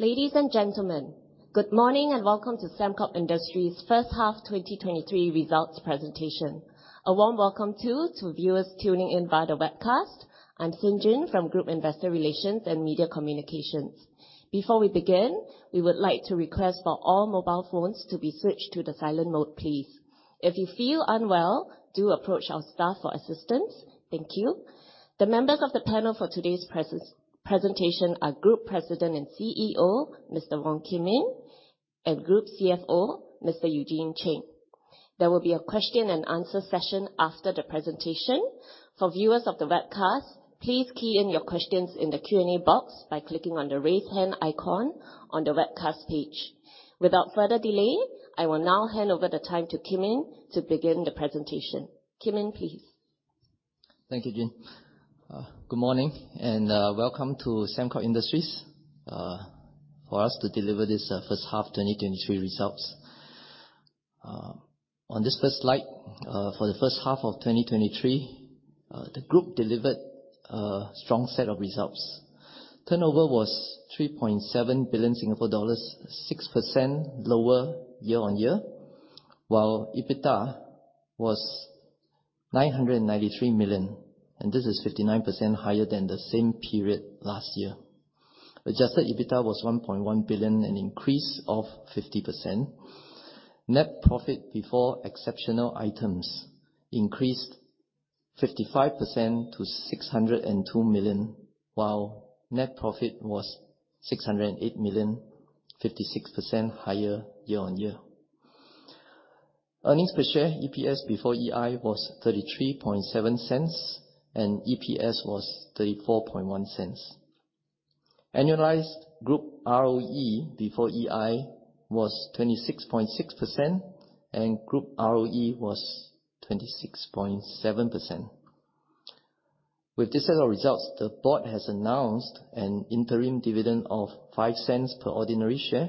Ladies and gentlemen, good morning, and welcome to Sembcorp Industries' first-half 2023 results presentation. A warm welcome, too, to viewers tuning in via the webcast. I'm Xin Jin from Group Investor Relations and Media Communications. Before we begin, we would like to request for all mobile phones to be switched to the silent mode, please. If you feel unwell, do approach our staff for assistance. Thank you. The members of the panel for today's presentation are Group President and CEO, Mr. Wong Kim Yin, and Group CFO, Mr. Eugene Cheng. There will be a question and answer session after the presentation. For viewers of the webcast, please key in your questions in the Q&A box by clicking on the Raise Hand icon on the webcast page. Without further delay, I will now hand over the time to Kim Yin to begin the presentation. Kim Yin, please. Thank you, Jin. Good morning, and welcome to Sembcorp Industries. For us to deliver this first-half 2023 results. On this first slide, for the first half of 2023, the group delivered a strong set of results. Turnover was 3.7 billion Singapore dollars, 6% lower year-on-year, while EBITDA was 993 million, and this is 59% higher than the same period last year. Adjusted EBITDA was 1.1 billion, an increase of 50%. Net profit before exceptional items increased 55% to 602 million, while net profit was 608 million, 56% higher year-on-year. Earnings per share, EPS, before EI was 0.337, and EPS was 0.341. Annualized group ROE before EI was 26.6%, and group ROE was 26.7%. With this set of results, the Board has announced an interim dividend of 0.05 per ordinary share,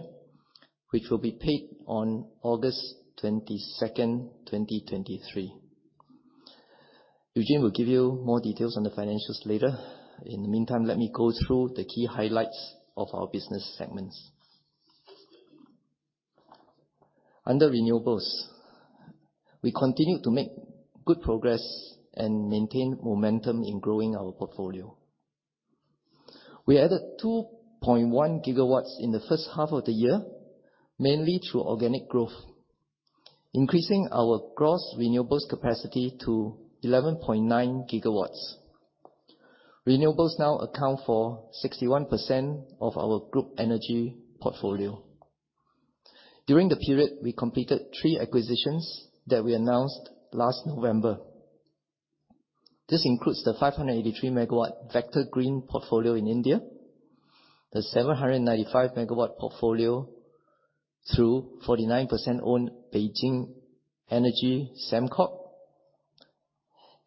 which will be paid on August 2second, 2023. Eugene will give you more details on the financials later. In the meantime, let me go through the key highlights of our business segments. Under renewables, we continue to make good progress and maintain momentum in growing our portfolio. We added 2.1 GW in the first half of the year, mainly through organic growth, increasing our gross renewables capacity to 11.9 GW. Renewables now account for 61% of our group energy portfolio. During the period, we completed three acquisitions that we announced last November. This includes the 583 MW Vector Green portfolio in India, the 795 MW portfolio through 49% owned Beijing Energy Sembcorp,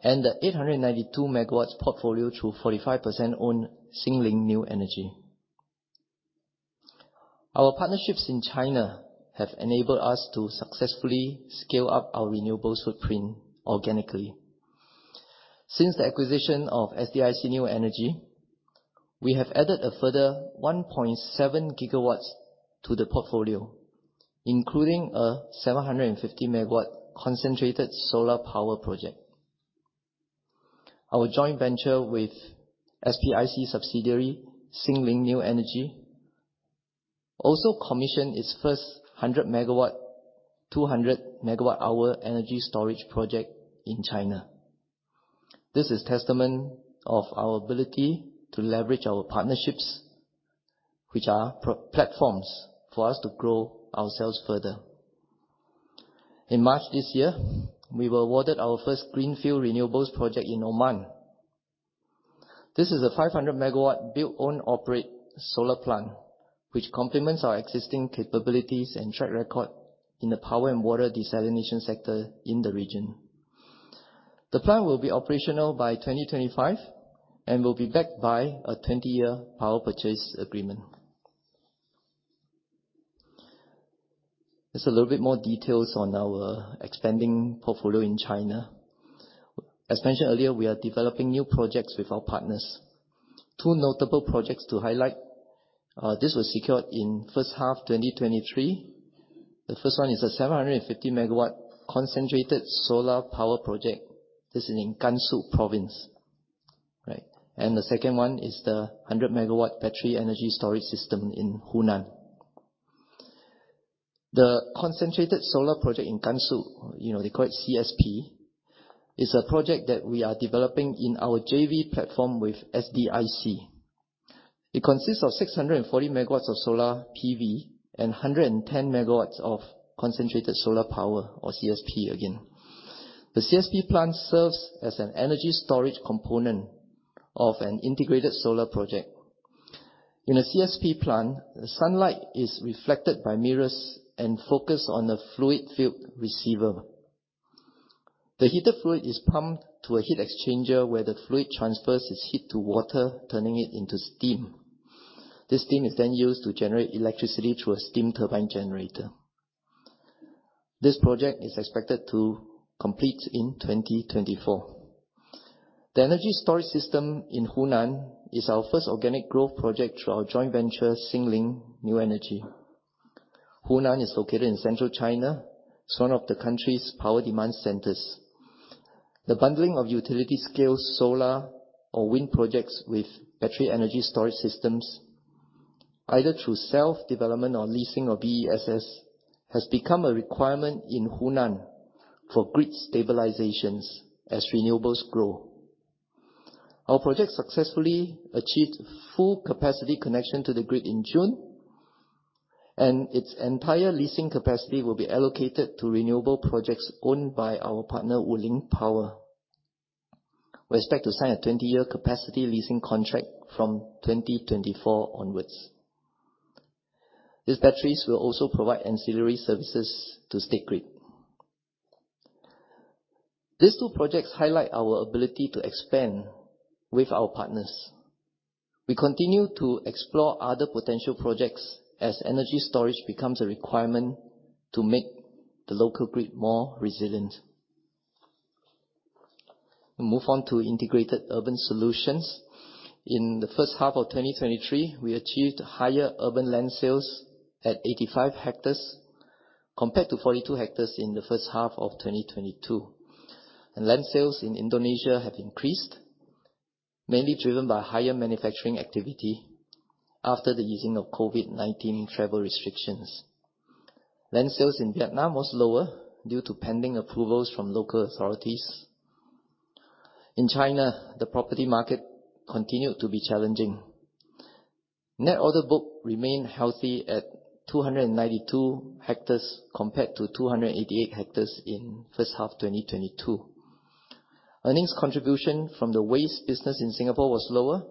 and the 892 MW portfolio through 45% owned Xingling New Energy. Our partnerships in China have enabled us to successfully scale up our renewables footprint organically. Since the acquisition of SDIC New Energy, we have added a further 1.7 GW to the portfolio, including a 750 MW concentrated solar power project. Our joint venture with SDIC subsidiary, Xingling New Energy, also commissioned its first 100 MW, 200 MW hour energy storage project in China. This is testament of our ability to leverage our partnerships, which are pro-platforms for us to grow ourselves further. In March this year, we were awarded our first greenfield renewables project in Oman. This is a 500 MW build, own, operate solar plant, which complements our existing capabilities and track record in the power and water desalination sector in the region. The plant will be operational by 2025 and will be backed by a 20-year power purchase agreement. Just a little bit more details on our expanding portfolio in China. As mentioned earlier, we are developing new projects with our partners. Two notable projects to highlight. This was secured in first half 2023. The first one is a 750 MW concentrated solar power project. This is in Gansu Province. Right. The second one is the 100 MW battery energy storage system in Hunan. The concentrated solar project in Gansu, you know, they call it CSP, is a project that we are developing in our JV platform with SDIC. It consists of 640 MW of solar PV and 110 MW of concentrated solar power, or CSP again. The CSP plant serves as an energy storage component of an integrated solar project. In a CSP plant, the sunlight is reflected by mirrors and focused on a fluid-filled receiver. The heated fluid is pumped to a heat exchanger, where the fluid transfers its heat to water, turning it into steam. This steam is then used to generate electricity through a steam turbine generator. This project is expected to complete in 2024. The energy storage system in Hunan is our first organic growth project through our joint venture, Xingling New Energy. Hunan is located in central China. It's one of the country's power demand centers. The bundling of utility-scale solar or wind projects with battery energy storage systems, either through self-development or leasing of BESS, has become a requirement in Hunan for grid stabilizations as renewables grow. Our project successfully achieved full capacity connection to the grid in June, and its entire leasing capacity will be allocated to renewable projects owned by our partner, Wuling Power. We expect to sign a 20-year capacity leasing contract from 2024 onwards. These batteries will also provide ancillary services to State Grid. These two projects highlight our ability to expand with our partners. We continue to explore other potential projects as energy storage becomes a requirement to make the local grid more resilient. We move on to integrated urban solutions. In the first half of 2023, we achieved higher urban land sales at 85 hectares compared to 42 hectares in the first half of 2022. Land sales in Indonesia have increased, mainly driven by higher manufacturing activity after the easing of COVID-19 travel restrictions. Land sales in Vietnam was lower due to pending approvals from local authorities. In China, the property market continued to be challenging. Net order book remained healthy at 292 hectares compared to 288 hectares in first half 2022. Earnings contribution from the waste business in Singapore was lower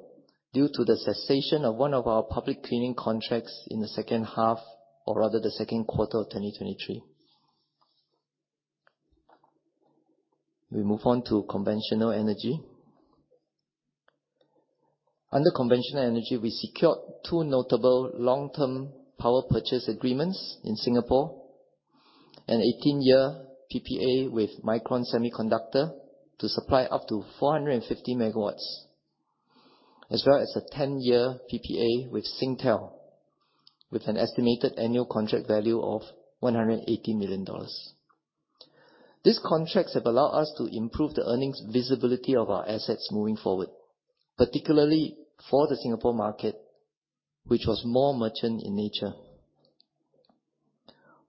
due to the cessation of one of our public cleaning contracts in the second half, or rather, the second quarter of 2023. We move on to conventional energy. Under conventional energy, we secured two notable long-term power purchase agreements in Singapore, an 18-year PPA with Micron Semiconductor to supply up to 450 MW, as well as a 10-year PPA with Singtel, with an estimated annual contract value of 180 million dollars. These contracts have allowed us to improve the earnings visibility of our assets moving forward, particularly for the Singapore market, which was more merchant in nature.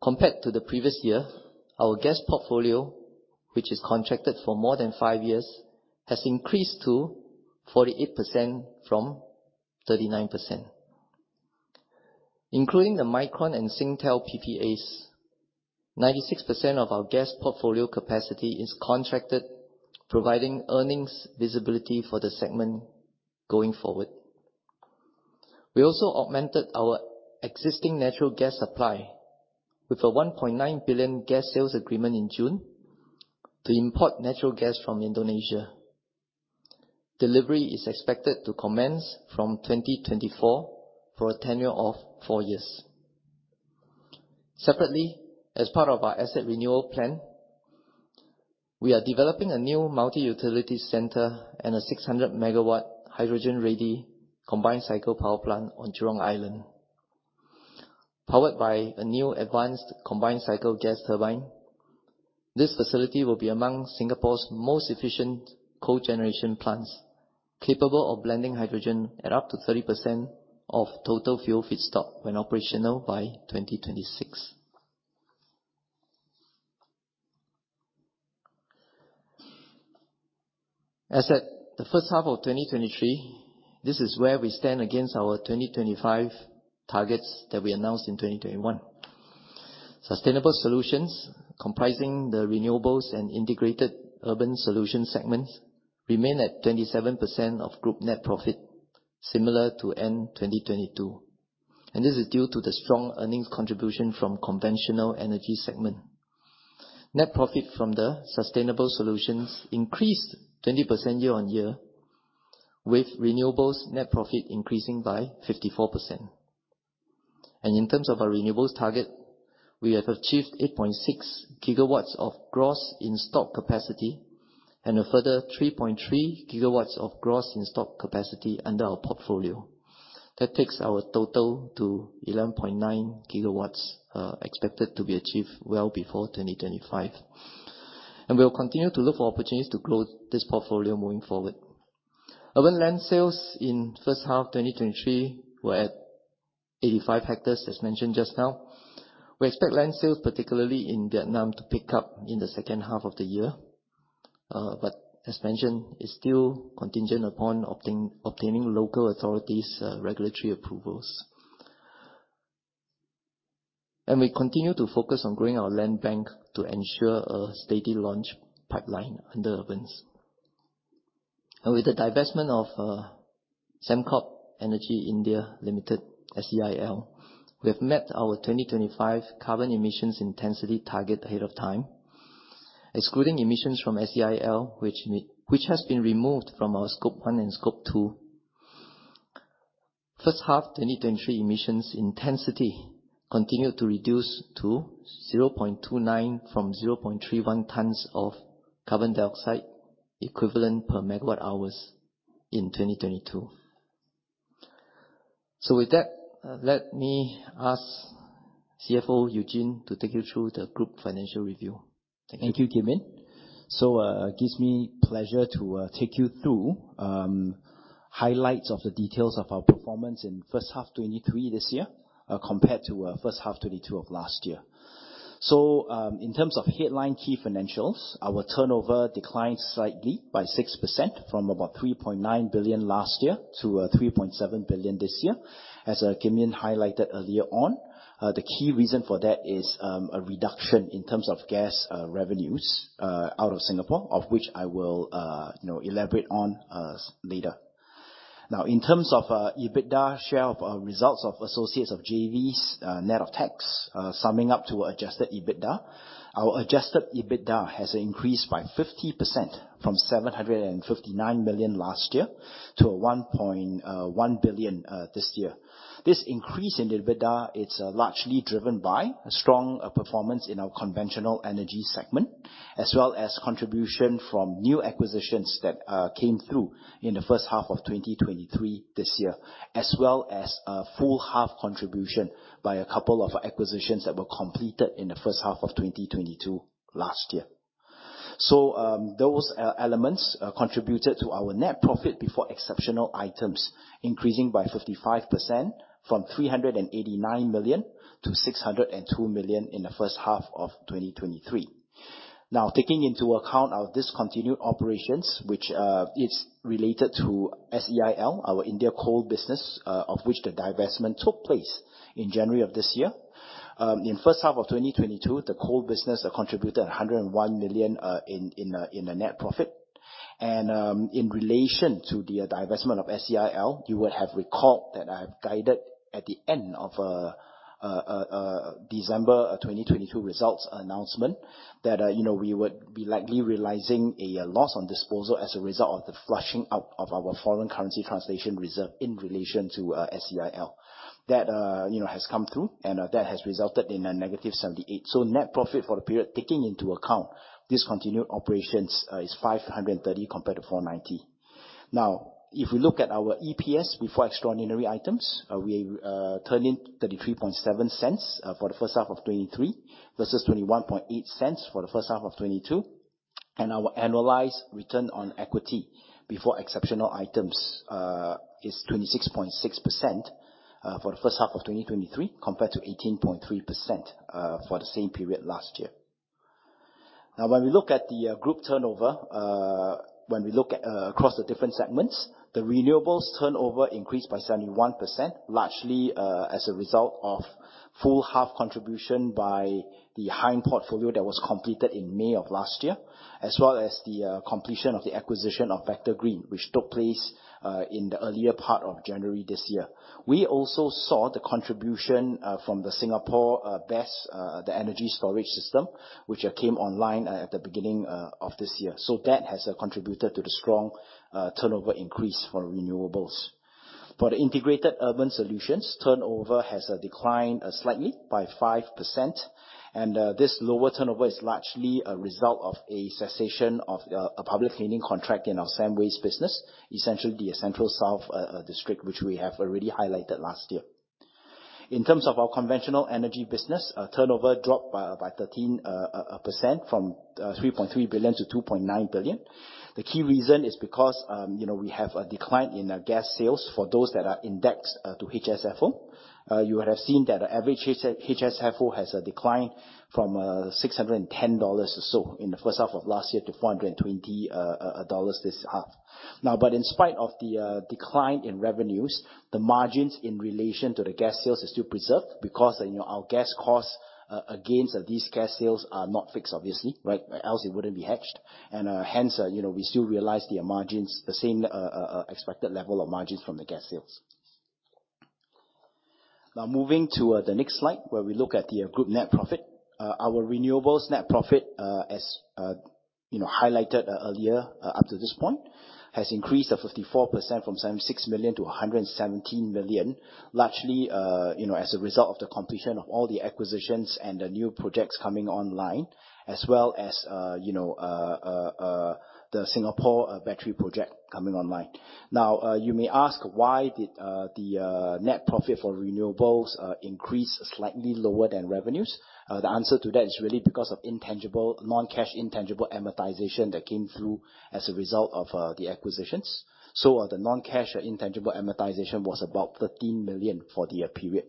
Compared to the previous year, our gas portfolio, which is contracted for more than five years, has increased to 48% from 39%. Including the Micron and Singtel PPAs, 96% of our gas portfolio capacity is contracted, providing earnings visibility for the segment going forward. We also augmented our existing natural gas supply with a 1.9 billion gas sales agreement in June to import natural gas from Indonesia. Delivery is expected to commence from 2024 for a tenure of four years. Separately, as part of our asset renewal plan, we are developing a new multi-utility center and a 600 MW hydrogen-ready combined cycle power plant on Jurong Island. Powered by a new advanced combined cycle gas turbine, this facility will be among Singapore's most efficient cogeneration plants, capable of blending hydrogen at up to 30% of total fuel feedstock when operational by 2026. As at the first half of 2023, this is where we stand against our 2025 targets that we announced in 2021. Sustainable solutions, comprising the renewables and integrated urban solution segments, remain at 27% of group net profit, similar to end 2022, this is due to the strong earnings contribution from conventional energy segment. Net profit from the sustainable solutions increased 20% year-on-year, with renewables net profit increasing by 54%. In terms of our renewables target, we have achieved 8.6 GW of gross in-stock capacity and a further 3.3 GW of gross in-stock capacity under our portfolio. That takes our total to 11.9 GW expected to be achieved well before 2025. We will continue to look for opportunities to grow this portfolio moving forward. Urban land sales in first half 2023 were at 85 hectares, as mentioned just now. We expect land sales, particularly in Vietnam, to pick up in the second half of the year. But as mentioned, it's still contingent upon obtaining local authorities' regulatory approvals. We continue to focus on growing our land bank to ensure a steady launch pipeline under urbans. With the divestment of Sembcorp Energy India Limited, SEIL, we have met our 2025 carbon emissions intensity target ahead of time. Excluding emissions from SEIL, which has been removed from our Scope 1 and Scope 2. First half, 2022 emissions intensity continued to reduce to 0.29 from 0.31 tons of carbon dioxide equivalent per megawatt hours in 2022. With that, let me ask CFO Eugene to take you through the group financial review. Thank you. Thank you, Kim Yin. It gives me pleasure to take you through highlights of the details of our performance in first half 2023 this year, compared to first half 2022 of last year. In terms of headline key financials, our turnover declined slightly by 6% from about 3.9 billion last year to 3.7 billion this year. As Kim Yin highlighted earlier on, the key reason for that is a reduction in terms of gas revenues out of Singapore, of which I will, you know, elaborate on later. Now, in terms of EBITDA share of results of associates of JVs, net of tax, summing up to adjusted EBITDA. Our adjusted EBITDA has increased by 50% from 759 million last year to 1.1 billion this year. This increase in the EBITDA, it's largely driven by a strong performance in our conventional energy segment, as well as contribution from new acquisitions that came through in the first half of 2023 this year, as well as a full half contribution by a couple of acquisitions that were completed in the first half of 2022 last year. Those elements contributed to our net profit before exceptional items, increasing by 55% from 389 million to 602 million in the first half of 2023. Now, taking into account our discontinued operations, which is related to SEIL, our India coal business, of which the divestment took place in January of this year. In first half of 2022, the coal business contributed 101 million in net profit. In relation to the divestment of SEIL, you would have recalled that I've guided at the end of December 2022 results announcement, that, you know, we would be likely realizing a loss on disposal as a result of the flushing out of our foreign currency translation reserve in relation to SEIL. That, you know, has come through, and that has resulted in a -78 million. Net profit for the period, taking into account discontinued operations, is 530 million compared to 490 million. If we look at our EPS before extraordinary items, we turned in 0.337 for the first half of 2023, versus 0.218 for the first half of 2022. Our annualized return on equity before exceptional items is 26.6% for the first half of 2023, compared to 18.3% for the same period last year. When we look at the group turnover, when we look at across the different segments, the renewables turnover increased by 71%, largely as a result of full half contribution by the HYNE portfolio that was completed in May of last year, as well as the completion of the acquisition of Vector Green, which took place in the earlier part of January this year. We also saw the contribution from the Singapore BESS, the energy storage system, which came online at the beginning of this year. That has contributed to the strong turnover increase for renewables. For the integrated urban solutions, turnover has declined slightly by 5%, and this lower turnover is largely a result of a cessation of a public cleaning contract in our sandways business, essentially the Central South District, which we have already highlighted last year. In terms of our conventional energy business, turnover dropped by 13%, from 3.3 billion to 2.9 billion. The key reason is because, you know, we have a decline in our gas sales for those that are indexed to HSFO. You have seen that the average HSFO has declined from 610 dollars or so in the first half of last year to 420 dollars this half. But in spite of the decline in revenues, the margins in relation to the gas sales is still preserved because, you know, our gas costs against these gas sales are not fixed, obviously, right? Else it wouldn't be hedged. Hence, you know, we still realize the margins, the same expected level of margins from the gas sales. Moving to the next slide, where we look at the group net profit. Our renewables net profit, as, you know, highlighted earlier, up to this point, has increased to 54% from 76 million to 117 million. Largely, you know, as a result of the completion of all the acquisitions and the new projects coming online, as well as, you know, the Singapore battery project coming online. You may ask, why did the net profit for renewables increase slightly lower than revenues? The answer to that is really because of non-cash intangible amortization that came through as a result of the acquisitions. The non-cash intangible amortization was about 13 million for the period.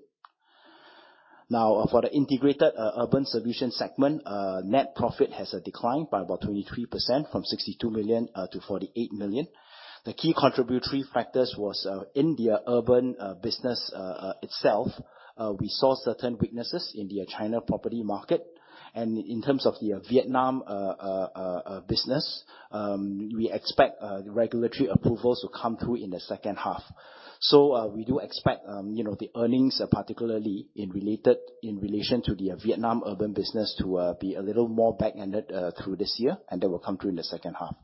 For the integrated urban solution segment, net profit has declined by about 23%, from 62 million to 48 million. The key contributory factors was in the urban business itself. We saw certain weaknesses in the China property market, and in terms of the Vietnam business, we expect the regulatory approvals to come through in the second half. We do expect, you know, the earnings, particularly in related, in relation to the Vietnam urban business, to be a little more backended through this year, and that will come through in the second half.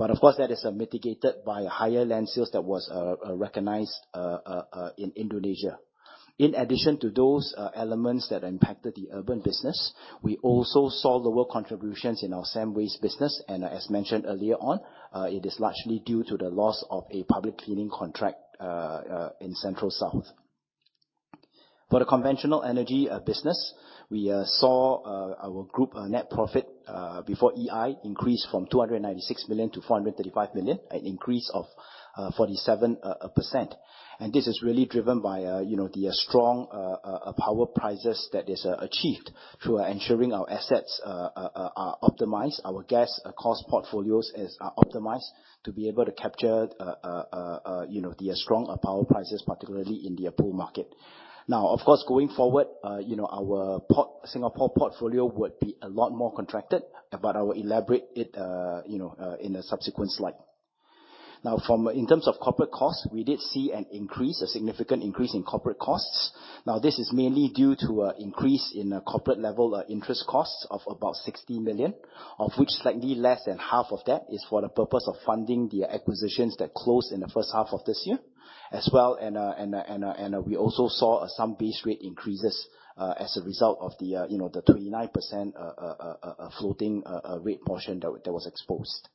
Of course, that is mitigated by higher land sales that was recognized in Indonesia. In addition to those elements that impacted the urban business, we also saw lower contributions in our same waste business. As mentioned earlier on, it is largely due to the loss of a public cleaning contract in Central South. For the conventional energy business, we saw our group net profit before EI increase from 296 million to 435 million, an increase of 47%. This is really driven by, you know, the strong power prices that is achieved through ensuring our assets are optimized. Our gas cost portfolios are optimized to be able to capture, you know, the strong power prices, particularly in the pool market. Of course, going forward, you know, our Singapore portfolio would be a lot more contracted, but I will elaborate it, you know, in a subsequent slide. In terms of corporate costs, we did see an increase, a significant increase in corporate costs. This is mainly due to increase in corporate level interest costs of about 60 million, of which slightly less than half of that is for the purpose of funding the acquisitions that closed in the first half of this year, as well, and we also saw some base rate increases as a result of the, you know, the 29% floating rate portion that was exposed.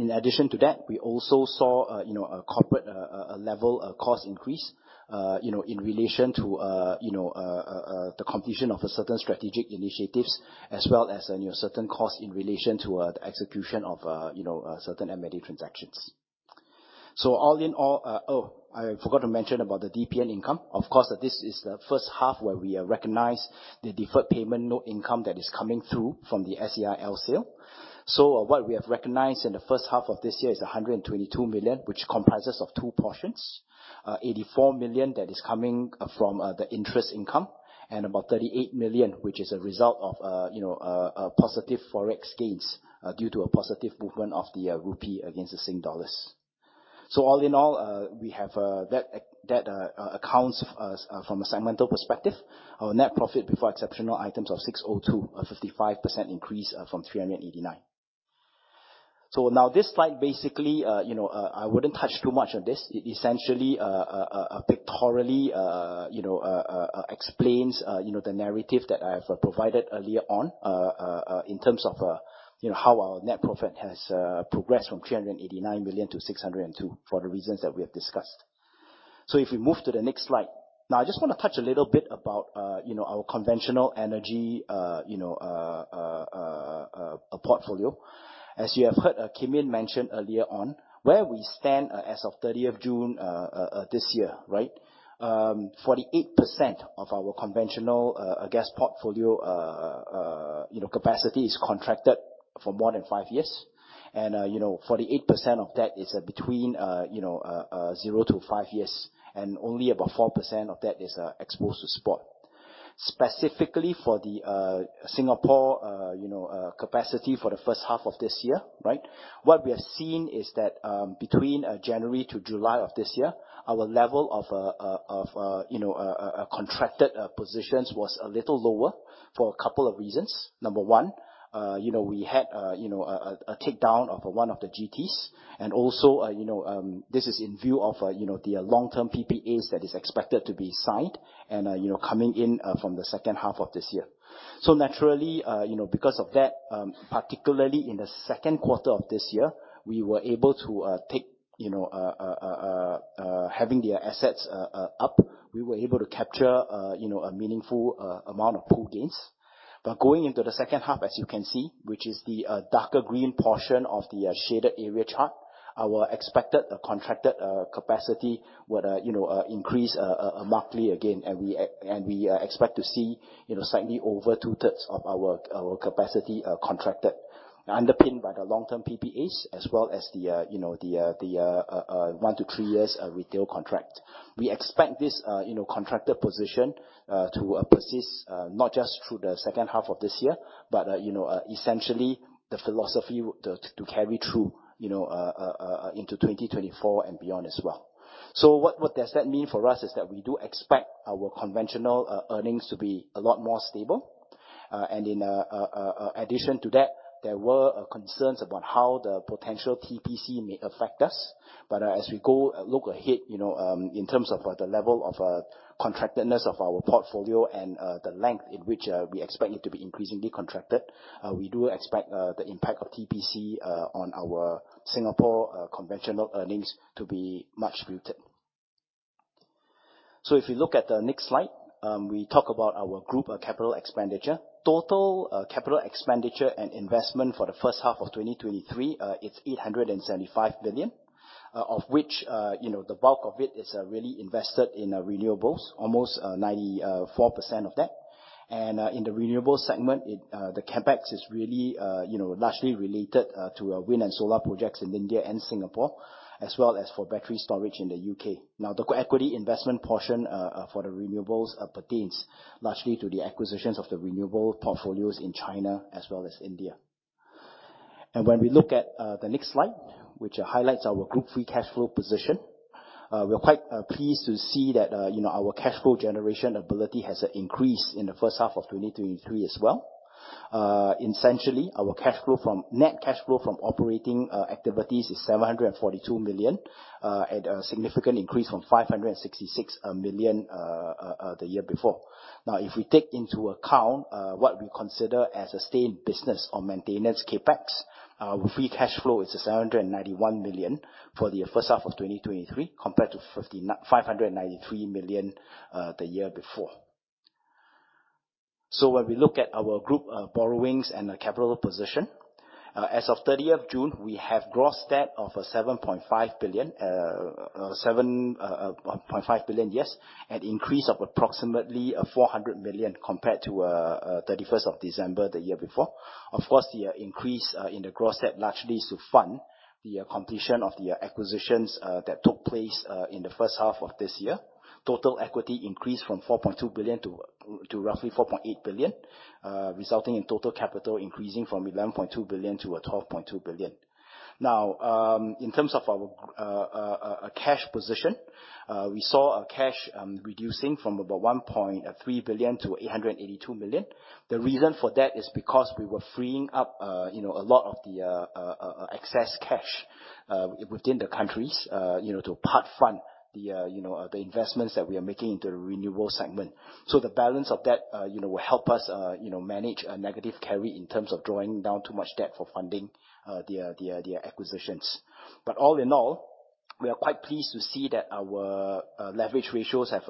In addition to that, we also saw, you know, a corporate level cost increase, you know, in relation to, you know, the completion of a certain strategic initiatives, as well as, you know, certain costs in relation to the execution of, you know, certain M&A transactions. All in all, I forgot to mention about the DPN income. Of course, this is the first half where we recognize the deferred payment, no income, that is coming through from the SEIL sale. What we have recognized in the first half of this year is 122 million, which comprises of two portions. 84 million that is coming from the interest income, and about 38 million, which is a result of, you know, a positive forex gains due to a positive movement of the rupee against the Sing dollars. All in all, we have that that accounts from a segmental perspective, our net profit before exceptional items of 602 million, a 55% increase from 389 million. Now this slide, basically, you know, I wouldn't touch too much on this. Essentially, pictorially, you know, explains, you know, the narrative that I have provided earlier on, in terms of, you know, how our net profit has progressed from 389 million to 602 million, for the reasons that we have discussed. If we move to the next slide. Now, I just want to touch a little bit about, you know, our conventional energy, you know, portfolio. As you have heard, Kim Yin mentioned earlier on, where we stand, as of 30th June, this year, right? 48% of our conventional gas portfolio, you know, capacity is contracted for more than five years. And you know, 48% of that is between, you know, zero to five years, and only about 4% of that is exposed to spot. Specifically for the Singapore, you know, capacity for the first half of this year, right? What we are seeing is that, between January to July of this year, our level of, of, you know, contracted positions was a little lower for a couple of reasons. Number one, you know, we had, you know, a, a take down of one of the GTs. You know, this is in view of, you know, the long-term PPAs that is expected to be signed, and, you know, coming in from the second half of this year. Naturally, you know, because of that, particularly in the second quarter of this year, we were able to take, you know, having the assets up, we were able to capture, you know, a meaningful amount of pool gains. Going into the second half, as you can see, which is the darker green portion of the shaded area chart, our expected the contracted capacity would, you know, increase markedly again, and we, and we expect to see, you know, slightly over 2/3 of our capacity contracted. Underpinned by the long-term PPAs, as well as the, you know, the one to three years retail contract. We expect this, you know, contracted position, to persist, not just through the second half of this year, but, you know, essentially, the philosophy would to, to carry through, you know, into 2024 and beyond as well. What, what does that mean for us is that we do expect our conventional earnings to be a lot more stable. In a addition to that, there were concerns about how the potential PPC may affect us. As we go look ahead, you know, in terms of the level of contractedness of our portfolio and, the length in which, we expect it to be increasingly contracted, we do expect, the impact of PPC, on our Singapore conventional earnings to be much muted. If you look at the next slide, we talk about our group capital expenditure. Total capital expenditure and investment for the first half of 2023, it's 875 million, of which, you know, the bulk of it is really invested in renewables, almost 94% of that. In the renewables segment, it, the CapEx is really, you know, largely related to wind and solar projects in India and Singapore, as well as for battery storage in the U.K. Now, the equity investment portion for the renewables pertains largely to the acquisitions of the renewable portfolios in China as well as India. When we look at the next slide, which highlights our group free cash flow position, we are quite pleased to see that, you know, our cash flow generation ability has increased in the first half of 2023 as well. Essentially, our cash flow from, net cash flow from operating activities is 742 million at a significant increase from 566 million the year before. Now, if we take into account what we consider as a stay in business or maintenance CapEx, free cash flow is 791 million for the first half of 2023, compared to 593 million the year before. When we look at our group borrowings and the capital position, as of 30th June, we have gross debt of 7.5 billion, an increase of approximately 400 million compared to 31st of December, the year before. Of course, the increase in the gross debt largely is to fund the completion of the acquisitions that took place in the first half of this year. Total equity increased from 4.2 billion to roughly 4.8 billion, resulting in total capital increasing from 11.2 billion to 12.2 billion. In terms of our cash position, we saw our cash reducing from about 1.3 billion to 882 million. The reason for that is because we were freeing up, you know, a lot of the excess cash within the countries, you know, to part fund the, you know, the investments that we are making into the renewable segment. The balance of that, you know, will help us, you know, manage a negative carry in terms of drawing down too much debt for funding the acquisitions. All in all, we are quite pleased to see that our leverage ratios have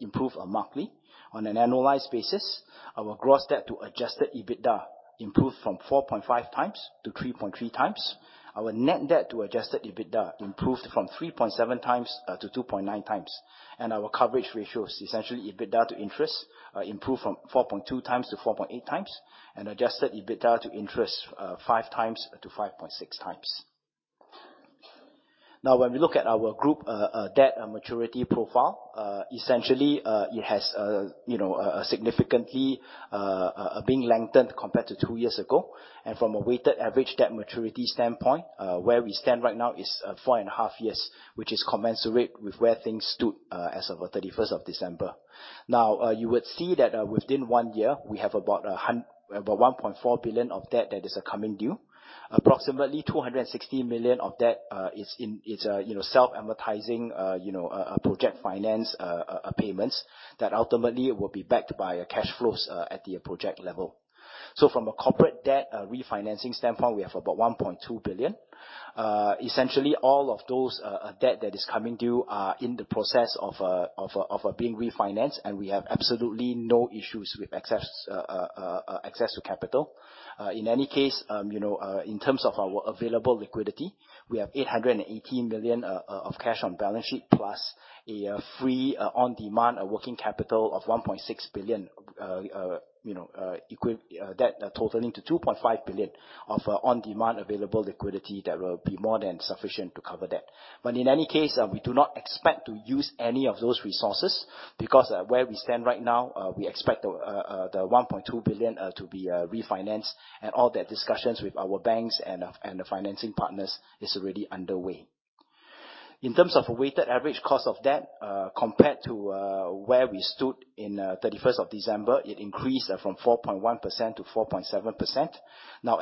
improved markedly. On an annualized basis, our gross debt to adjusted EBITDA improved from 4.5x to 3.3x. Our net debt to adjusted EBITDA improved from 3.7x to 2.9x. Our coverage ratios, essentially EBITDA to interest, improved from 4.2x to 4.8x, and adjusted EBITDA to interest, 5.0x to 5.6x. When we look at our group debt and maturity profile, essentially, it has, you know, significantly been lengthened compared to two years ago. From a weighted average, debt maturity standpoint, where we stand right now is 4.five years, which is commensurate with where things stood as of 31st of December. You would see that within one year, we have about 1.4 billion of debt that is coming due. Approximately 260 million of debt is, you know, self-amortizing, you know, project finance payments, that ultimately will be backed by a cash flows at the project level. From a corporate debt refinancing standpoint, we have about 1.2 billion. Essentially, all of those debt that is coming due are in the process of being refinanced, and we have absolutely no issues with access to capital. In any case, you know, in terms of our available liquidity, we have 818 million of cash on balance sheet, plus a free on-demand working capital of 1.6 billion, you know, debt totaling to 2.5 billion of on-demand available liquidity that will be more than sufficient to cover that. In any case, we do not expect to use any of those resources, because where we stand right now, we expect the 1.2 billion to be refinanced, and all the discussions with our banks and our, and the financing partners is already underway. In terms of weighted average cost of debt, compared to where we stood in 31st of December, it increased from 4.1% to 4.7%.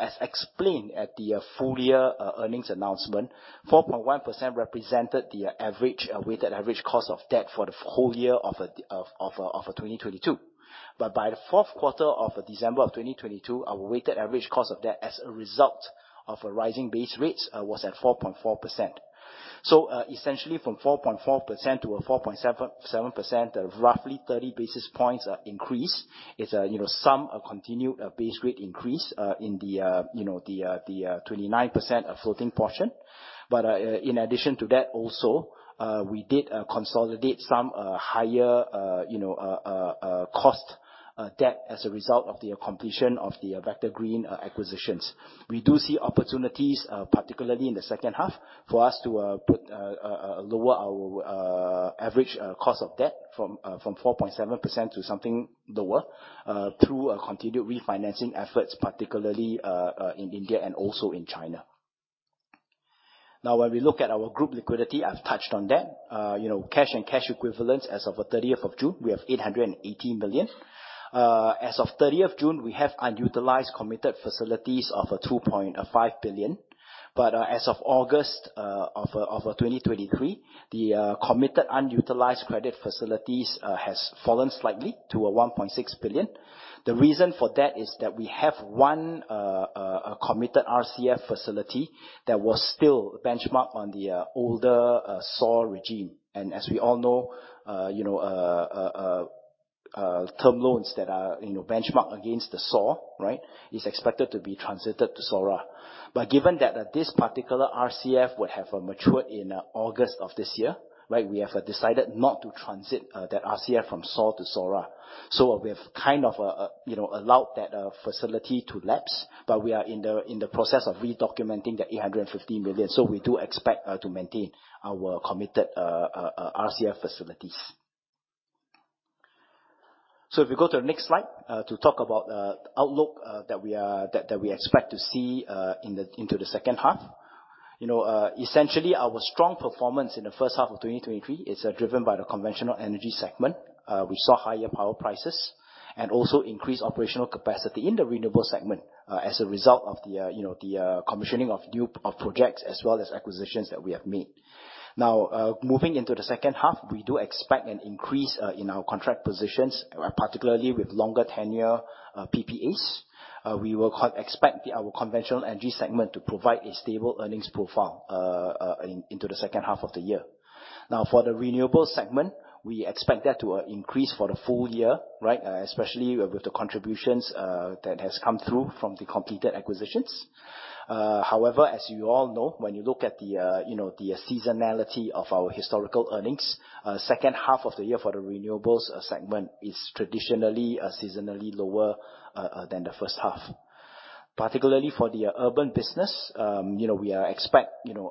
As explained at the full year earnings announcement, 4.1% represented the average weighted average cost of debt for the whole year of 2022. By the fourth quarter of December of 2022, our weighted average cost of debt as a result of a rising base rates, was at 4.4%. Essentially, from 4.4% to a 4.77%, roughly 30 basis points of increase. It's, you know, some continued base rate increase in the, you know, 29% of floating portion. But, uh, in addition to that, also, uh, we did, uh, consolidate some, uh, higher, uh, you know, uh, uh, uh, cost, uh, debt as a result of the completion of the Vector Green, uh, acquisitions. We do see opportunities, uh, particularly in the second half, for us to, uh, put, uh, uh, uh, lower our, uh, average, uh, cost of debt from, uh, from four point seven percent to something lower, uh, through a continued refinancing efforts, particularly, uh, uh, in India and also in China. Now, when we look at our group liquidity, I've touched on that. Uh, you know, cash and cash equivalents as of the 30th of June, we have 818 million. Uh, as of 30th June, we have unutilized committed facilities of a 2.5 billion. But as of August of 2023, the committed unutilized credit facilities has fallen slightly to 1.6 billion. The reason for that is that we have one committed RCF facility that was still benchmarked on the older SOR regime. As we all know, you know, term loans that are, you know, benchmarked against the SOR, right, is expected to be transited to SORA. Given that this particular RCF would have matured in August of this year, right, we have decided not to transit that RCF from SOR to SORA. We've kind of, you know, allowed that facility to lapse, but we are in the process of redocumenting the 850 million. We do expect to maintain our committed RCF facilities. If you go to the next slide, to talk about the outlook that we expect to see in the second half. You know, essentially, our strong performance in the first half of 2023 is driven by the conventional energy segment. We saw higher power prices and also increased operational capacity in the renewable segment, as a result of the, you know, the commissioning of new projects as well as acquisitions that we have made. Moving into the second half, we do expect an increase in our contract positions, particularly with longer tenure PPAs. We will expect our conventional energy segment to provide a stable earnings profile into the second half of the year. For the renewables segment, we expect that to increase for the full year, right? Especially with the contributions that has come through from the completed acquisitions. As you all know, when you look at the, you know, the seasonality of our historical earnings, second half of the year for the renewables segment is traditionally seasonally lower than the first half. Particularly for the urban business, you know, we expect, you know,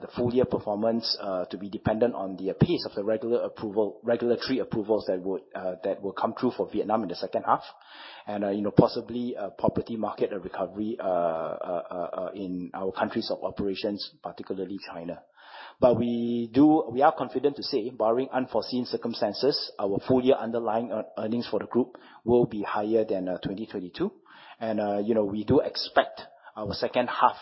the full year performance to be dependent on the pace of the regulatory approvals that will come through for Vietnam in the second half. Possibly, you know, property market recovery in our countries of operations, particularly China. We are confident to say, barring unforeseen circumstances, our full year underlying earnings for the group will be higher than 2022. We do expect our second half,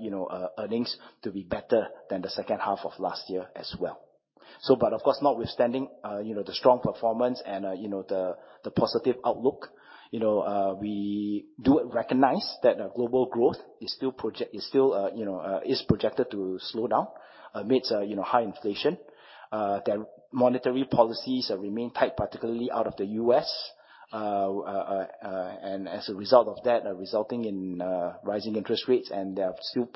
you know, earnings to be better than the second half of last year as well. But of course, notwithstanding, you know, the strong performance and, you know, the positive outlook, you know, we do recognize that global growth is still, you know, is projected to slow down amidst, you know, high inflation. Their monetary policies remain tight, particularly out of the U.S. As a result of that, resulting in rising interest rates, and there still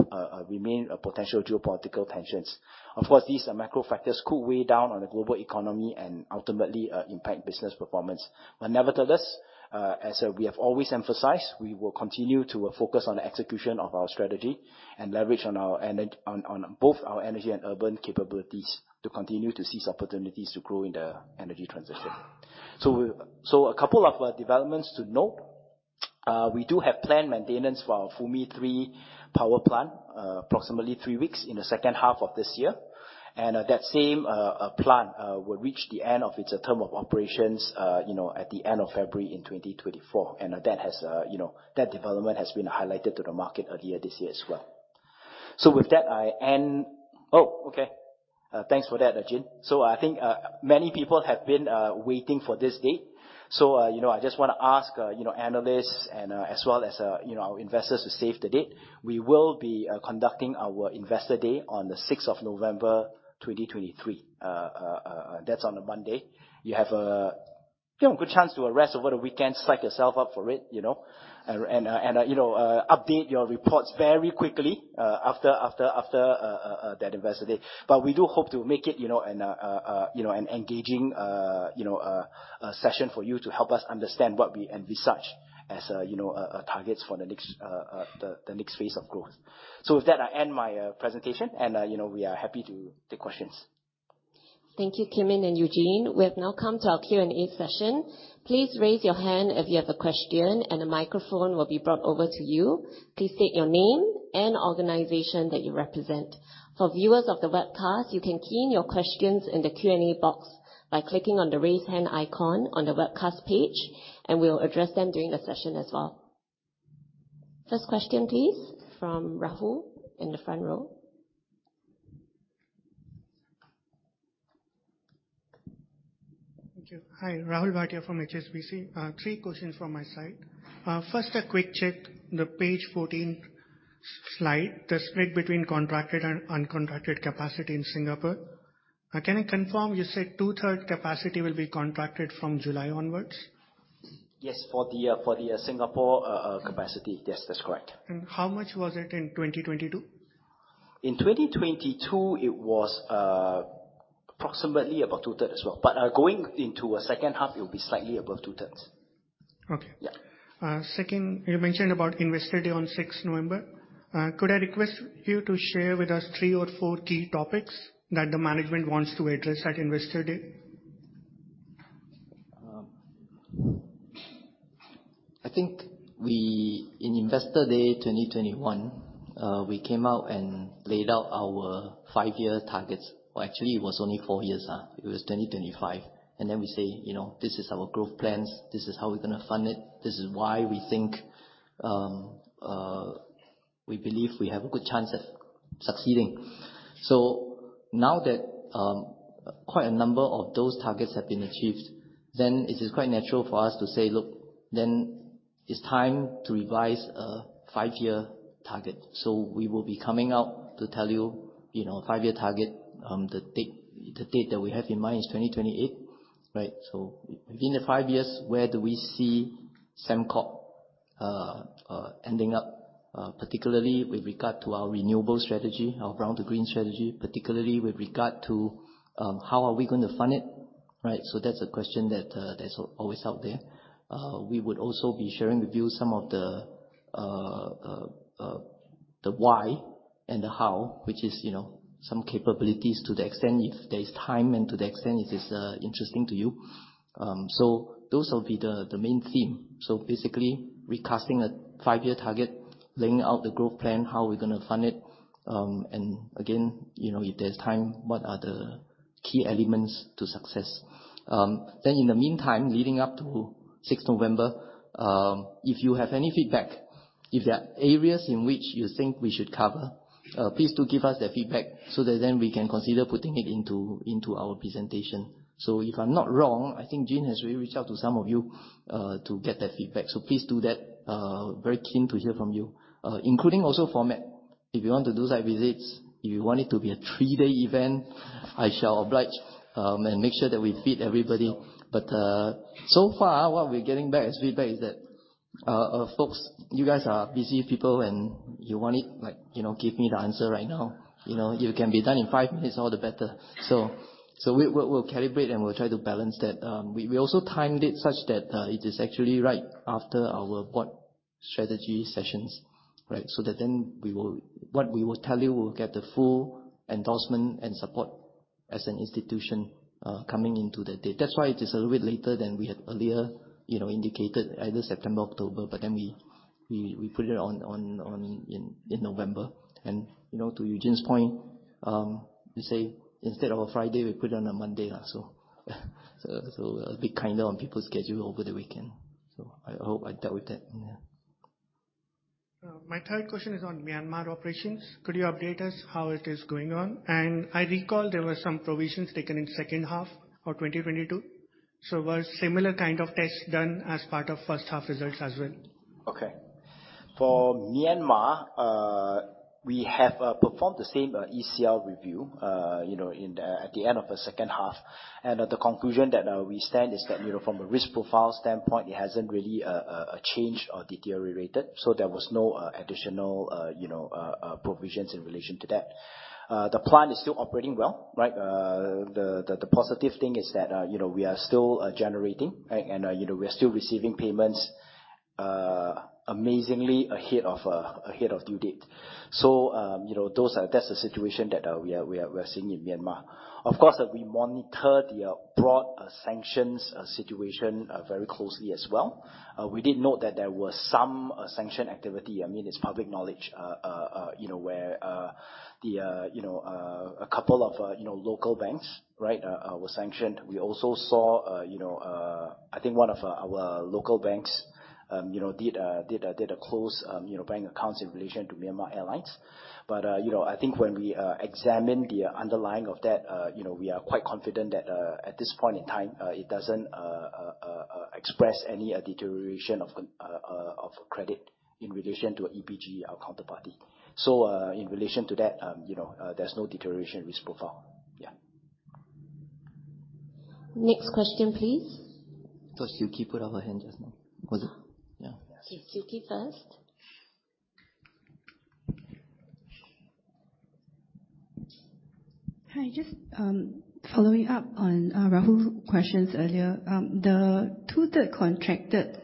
remain a potential geopolitical tensions. Of course, these macro factors could weigh down on the global economy and ultimately impact business performance. Nevertheless, as we have always emphasized, we will continue to focus on the execution of our strategy and leverage on our energy and urban capabilities, to continue to seize opportunities to grow in the energy transition. A couple of developments to note. We do have planned maintenance for our Phu My 3 Power Plant, approximately three weeks in the second half of this year. That same plant will reach the end of its term of operations, you know, at the end of February in 2024. That has, you know, that development has been highlighted to the market earlier this year as well. With that, I end. Oh, okay. Thanks for that, Eugene. I think, many people have been waiting for this date. You know, I just wanna ask, you know, analysts and as well as, you know, our investors to save the date. We will be conducting our Investor Day on the 6th of November, 2023. That's on a Monday. You have a, you know, good chance to rest over the weekend, psych yourself up for it, you know, and and, you know, update your reports very quickly, after, after, after, that Investor Day. We do hope to make it, you know, an, you know, an engaging, you know, a session for you to help us understand what we envisage as, you know, targets for the next, the next phase of growth. With that, I end my presentation, and, you know, we are happy to take questions. Thank you, Kim Yin and Eugene. We have now come to our Q&A session. Please raise your hand if you have a question, and a microphone will be brought over to you. Please state your name and organization that you represent. For viewers of the webcast, you can key in your questions in the Q&A box by clicking on the Raise Hand icon on the webcast page, and we will address them during the session as well. First question, please, from Rahul in the front row. Thank you. Hi, Rahul Bhatia from HSBC. Three questions from my side. First, a quick check. The page 14 slide, the split between contracted and uncontracted capacity in Singapore. Can you confirm, you said 2/3 capacity will be contracted from July onwards? Yes, for the, for the Singapore, capacity. Yes, that's correct. How much was it in 2022? In 2022, it was approximately about 2/3 as well. Going into second half, it will be slightly above 2/3. Okay. Yeah. Second, you mentioned about Investor Day on 6th November. Could I request you to share with us three or four key topics that the management wants to address at Investor Day? I think we, in Investor Day 2021, we came out and laid out our five-year targets. Well, actually, it was only four years, it was 2025. Then we say, "You know, this is our growth plans. This is how we're going to fund it. This is why we think we believe we have a good chance of succeeding." Now that quite a number of those targets have been achieved, then it is quite natural for us to say, "Look, then it's time to revise a five-year target." We will be coming out to tell you, you know, five-year target. The date, the date that we have in mind is 2028, right? Within the five years, where do we see Sembcorp ending up particularly with regard to our renewable strategy, our Brown to Green strategy, particularly with regard to how are we going to fund it, right? That's a question that that's always out there. We would also be sharing with you some of the the why and the how, which is, you know, some capabilities to the extent, if there is time, and to the extent it is interesting to you. Those will be the the main theme. Basically, recasting a five-year target, laying out the growth plan, how we're going to fund it. And again, you know, if there's time, what are the key elements to success. In the meantime, leading up to 6th November, if you have any feedback, if there are areas in which you think we should cover, please do give us that feedback so that then we can consider putting it into, into our presentation. If I'm not wrong, I think Jin has really reached out to some of you to get that feedback. Please do that. Very keen to hear from you. Including also format. If you want to do site visits, if you want it to be a three-day event, I shall oblige, and make sure that we fit everybody. So far, what we're getting back as feedback is that folks, you guys are busy people, and you want it, like, you know, give me the answer right now. You know, it can be done in five minutes, all the better. We'll, we'll calibrate, and we'll try to balance that. We, we also timed it such that, it is actually right after our Board strategy sessions, right? That then we will what we will tell you, we'll get the full endorsement and support as an institution, coming into the date. That's why it is a little bit later than we had earlier, you know, indicated, either September, October, but then we, we, we put it on, on, on, in, in November. You know, to Eugene's point, we say instead of a Friday, we put it on a Monday also. It'll be kinder on people's schedule over the weekend. I hope I dealt with that. Yeah. My third question is on Myanmar operations. Could you update us how it is going on? I recall there were some provisions taken in second half of 2022. Was similar kind of test done as part of first half results as well? Okay. For Myanmar, we have performed the same ECL review, you know, in the, at the end of the second half. The conclusion that we stand is that, you know, from a risk profile standpoint, it hasn't really changed or deteriorated, so there was no additional, you know, provisions in relation to that. The plant is still operating well, right? The, the, the positive thing is that, you know, we are still generating, right? You know, we are still receiving payments, amazingly ahead of due date. You know, those are- that's the situation that we are, we are, we're seeing in Myanmar. Of course, we monitor the broad sanctions situation very closely as well. We did note that there was some sanction activity. I mean, it's public knowledge, you know, where the, you know, a couple of, you know, local banks, right, were sanctioned. We also saw, you know, I think one of our local banks, you know, did a close, you know, bank accounts in relation to Myanmar Airlines. You know, I think when we examine the underlying of that, you know, we are quite confident that at this point in time, it doesn't express any deterioration of credit in relation to EPG, our counterparty. In relation to that, you know, there's no deterioration in risk profile. Yeah. Next question, please. I thought Siew Khee put up her hand just now. Was it? Yeah. Okay, Siew Khee first. Hi, just following up on Rahul questions earlier. The 2/3 contracted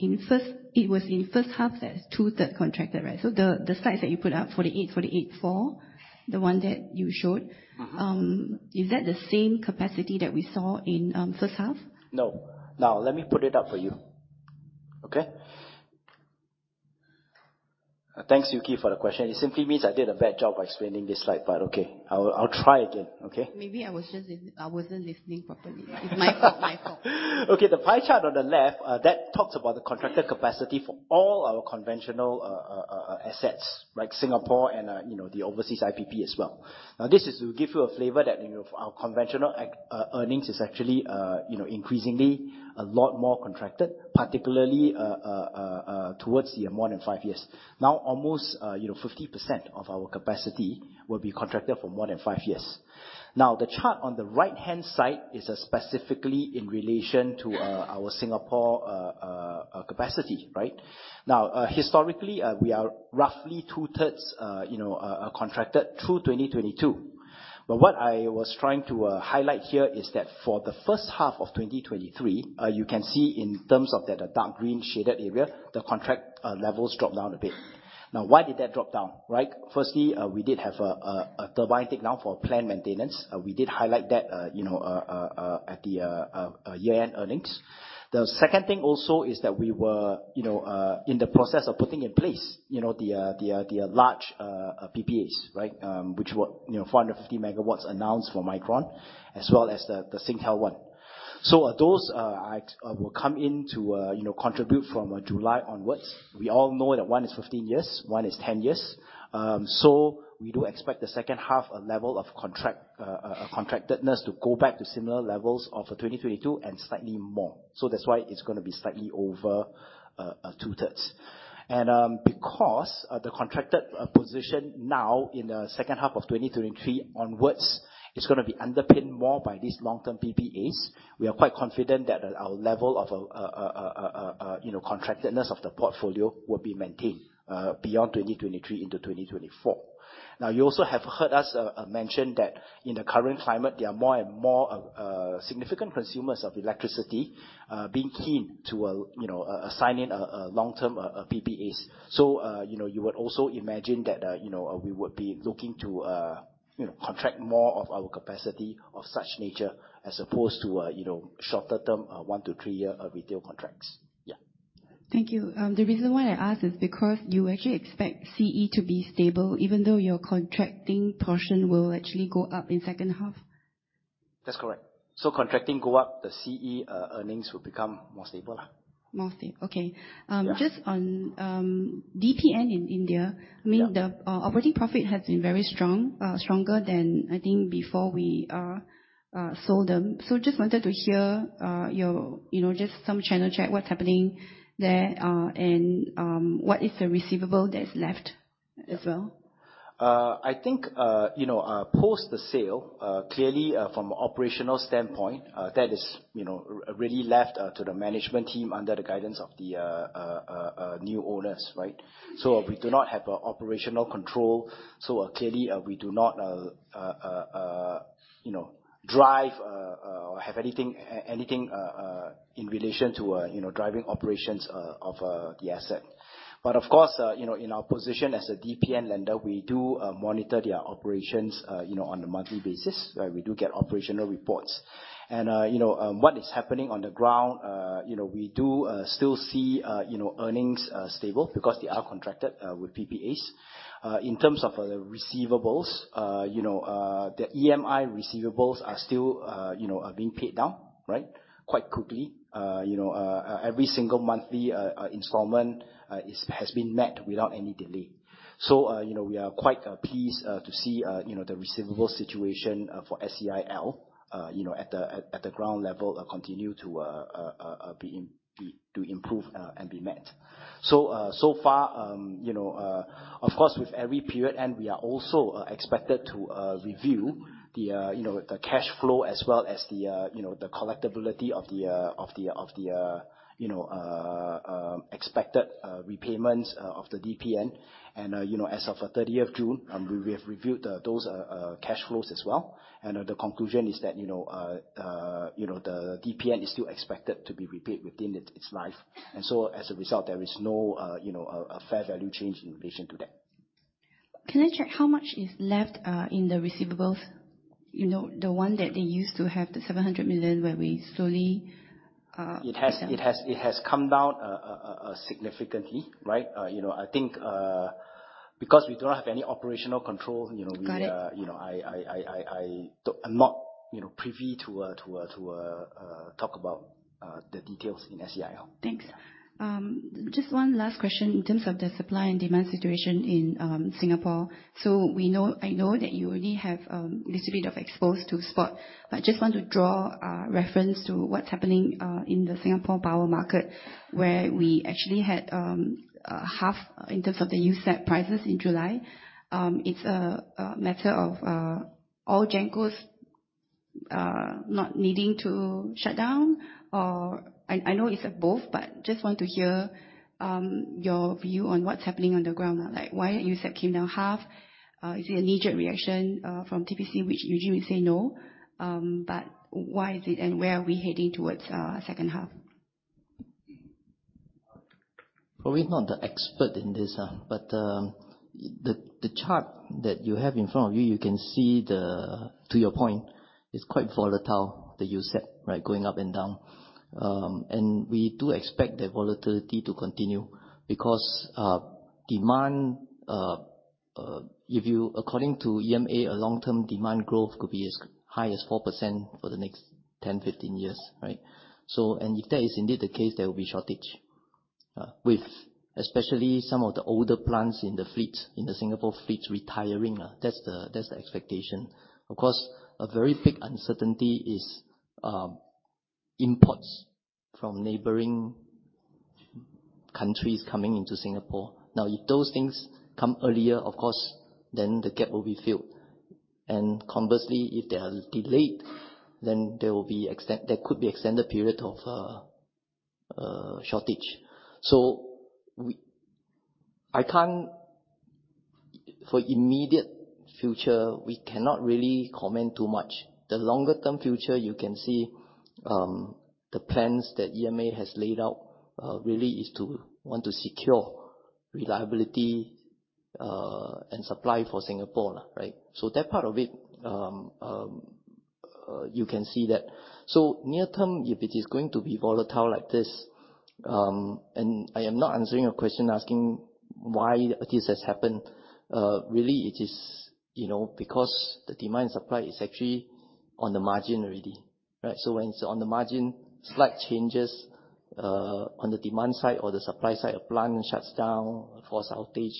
in first, it was in first half that 2/3 contracted, right? The sites that you put up, 48, 484, the one that you showed. Uh-huh. Is that the same capacity that we saw in first half? No. Let me put it up for you, okay? Thanks, Siew Khee, for the question. It simply means I did a bad job by explaining this slide, okay, I'll, I'll try again. Okay? Maybe I was just I wasn't listening properly. It's my fault, my fault. Okay, the pie chart on the left, that talks about the contracted capacity for all our conventional assets, like Singapore and, you know, the overseas IPP as well. This is to give you a flavor that, you know, our conventional earnings is actually, you know, increasingly a lot more contracted, particularly towards the more than five years. Almost, you know, 50% of our capacity will be contracted for more than five years. The chart on the right-hand side is specifically in relation to our Singapore capacity, right? Historically, we are roughly 2/3, you know, contracted through 2022. What I was trying to highlight here is that for the first half of 2023, you can see in terms of the dark green shaded area, the contract levels drop down a bit. Why did that drop down, right? Firstly, we did have a turbine take down for planned maintenance. We did highlight that, you know, at the year-end earnings. The second thing also is that we were, you know, in the process of putting in place, you know, the large PPAs, right? Which were, you know, 450 MW announced for Micron, as well as the Singtel one. Those will come in to, you know, contribute from July onwards. We all know that one is 15 years, one is 10 years. We do expect the second half a level of contract, contractedness to go back to similar levels of 2022 and slightly more. That's why it's gonna be slightly over 2/3. Because the contracted position now in the second half of 2023 onwards, is gonna be underpinned more by these long-term PPAs. We are quite confident that our level of, you know, contractedness of the portfolio will be maintained beyond 2023 into 2024. You also have heard us mention that in the current climate, there are more and more significant consumers of electricity, being keen to, you know, assign in a long-term PPAs. You know, you would also imagine that, you know, we would be looking to, you know, contract more of our capacity of such nature, as opposed to, you know, shorter term, one to three-year, retail contracts. Yeah. Thank you. The reason why I ask is because you actually expect CE to be stable, even though your contracting portion will actually go up in second half? That's correct. Contracting go up, the CE earnings will become more stable. More stable, okay. Yeah. Just on DPN in India. Yeah. I mean, the operating profit has been very strong, stronger than I think before we sold them. Just wanted to hear your, you know, just some channel check, what's happening there, and what is the receivable that is left as well? I think, you know, post the sale, clearly, from an operational standpoint, that is, you know, really left to the management team under the guidance of the new owners, right? Mm-hmm. We do not have operational control, so clearly, we do not, you know, drive, or have anything, anything, in relation to, you know, driving operations, of the asset. Of course, you know, in our position as a DPN lender, we do monitor their operations, you know, on a monthly basis, right? We do get operational reports. You know, what is happening on the ground, you know, we do still see, you know, earnings, stable because they are contracted, with PPAs. In terms of the receivables, you know, the EMI receivables are still, you know, are being paid down, right? Quite quickly. You know, every single monthly installment has been met without any delay. You know, we are quite pleased to see, you know, the receivable situation for SEIL, you know, at the ground level, continue to improve and be met. So far, you know, of course, with every period, and we are also expected to review, you know, the cash flow as well as, you know, the collectibility of the, of the, of the, you know, expected repayments of the DPN. You know, as of the 30th of June, we have reviewed those cash flows as well, and the conclusion is that, you know, the DPN is still expected to be repaid within its, its life. So, as a result, there is no, you know, fair value change in relation to that. Can I check how much is left in the receivables? You know, the one that they used to have, the 700 million, where we slowly. It has, it has, it has come down, significantly, right? You know, I think, because we do not have any operational control, you know, we. Got it. You know, I'm not, you know, privy to talk about the details in SEIL. Thanks. Just one last question in terms of the supply and demand situation in Singapore. I know that you already have little bit of exposed to spot, but I just want to draw reference to what's happening in the Singapore power market, where we actually had half in terms of the USEP prices in July. It's a matter of all genkos not needing to shut down, or. I know it's a both, but just want to hear your view on what's happening on the ground now. Like, why USEP came down half? Is it a knee-jerk reaction from TPC, which usually we say no, but why is it, and where are we heading towards second half? Probably not the expert in this, but the chart that you have in front of you, you can see, to your point, it's quite volatile, the USEP, right? Going up and down. We do expect that volatility to continue because demand, according to EMA, a long-term demand growth could be as high as 4% for the next 10-15 years, right? If that is indeed the case, there will be shortage with especially some of the older plants in the fleet, in the Singapore fleet retiring. That's the, that's the expectation. Of course, a very big uncertainty is imports from neighboring countries coming into Singapore. If those things come earlier, of course, then the gap will be filled. Conversely, if they are delayed, then there will be extend, there could be extended period of shortage. We, I can't, for immediate future, we cannot really comment too much. The longer term future, you can see, the plans that EMA has laid out, really is to want to secure reliability and supply for Singapore, right? That part of it, you can see that. Near term, if it is going to be volatile like this, and I am not answering your question, asking why this has happened. Really, it is, you know, because the demand and supply is actually on the margin already, right? When it's on the margin, slight changes, on the demand side or the supply side, a plant shuts down, false outage,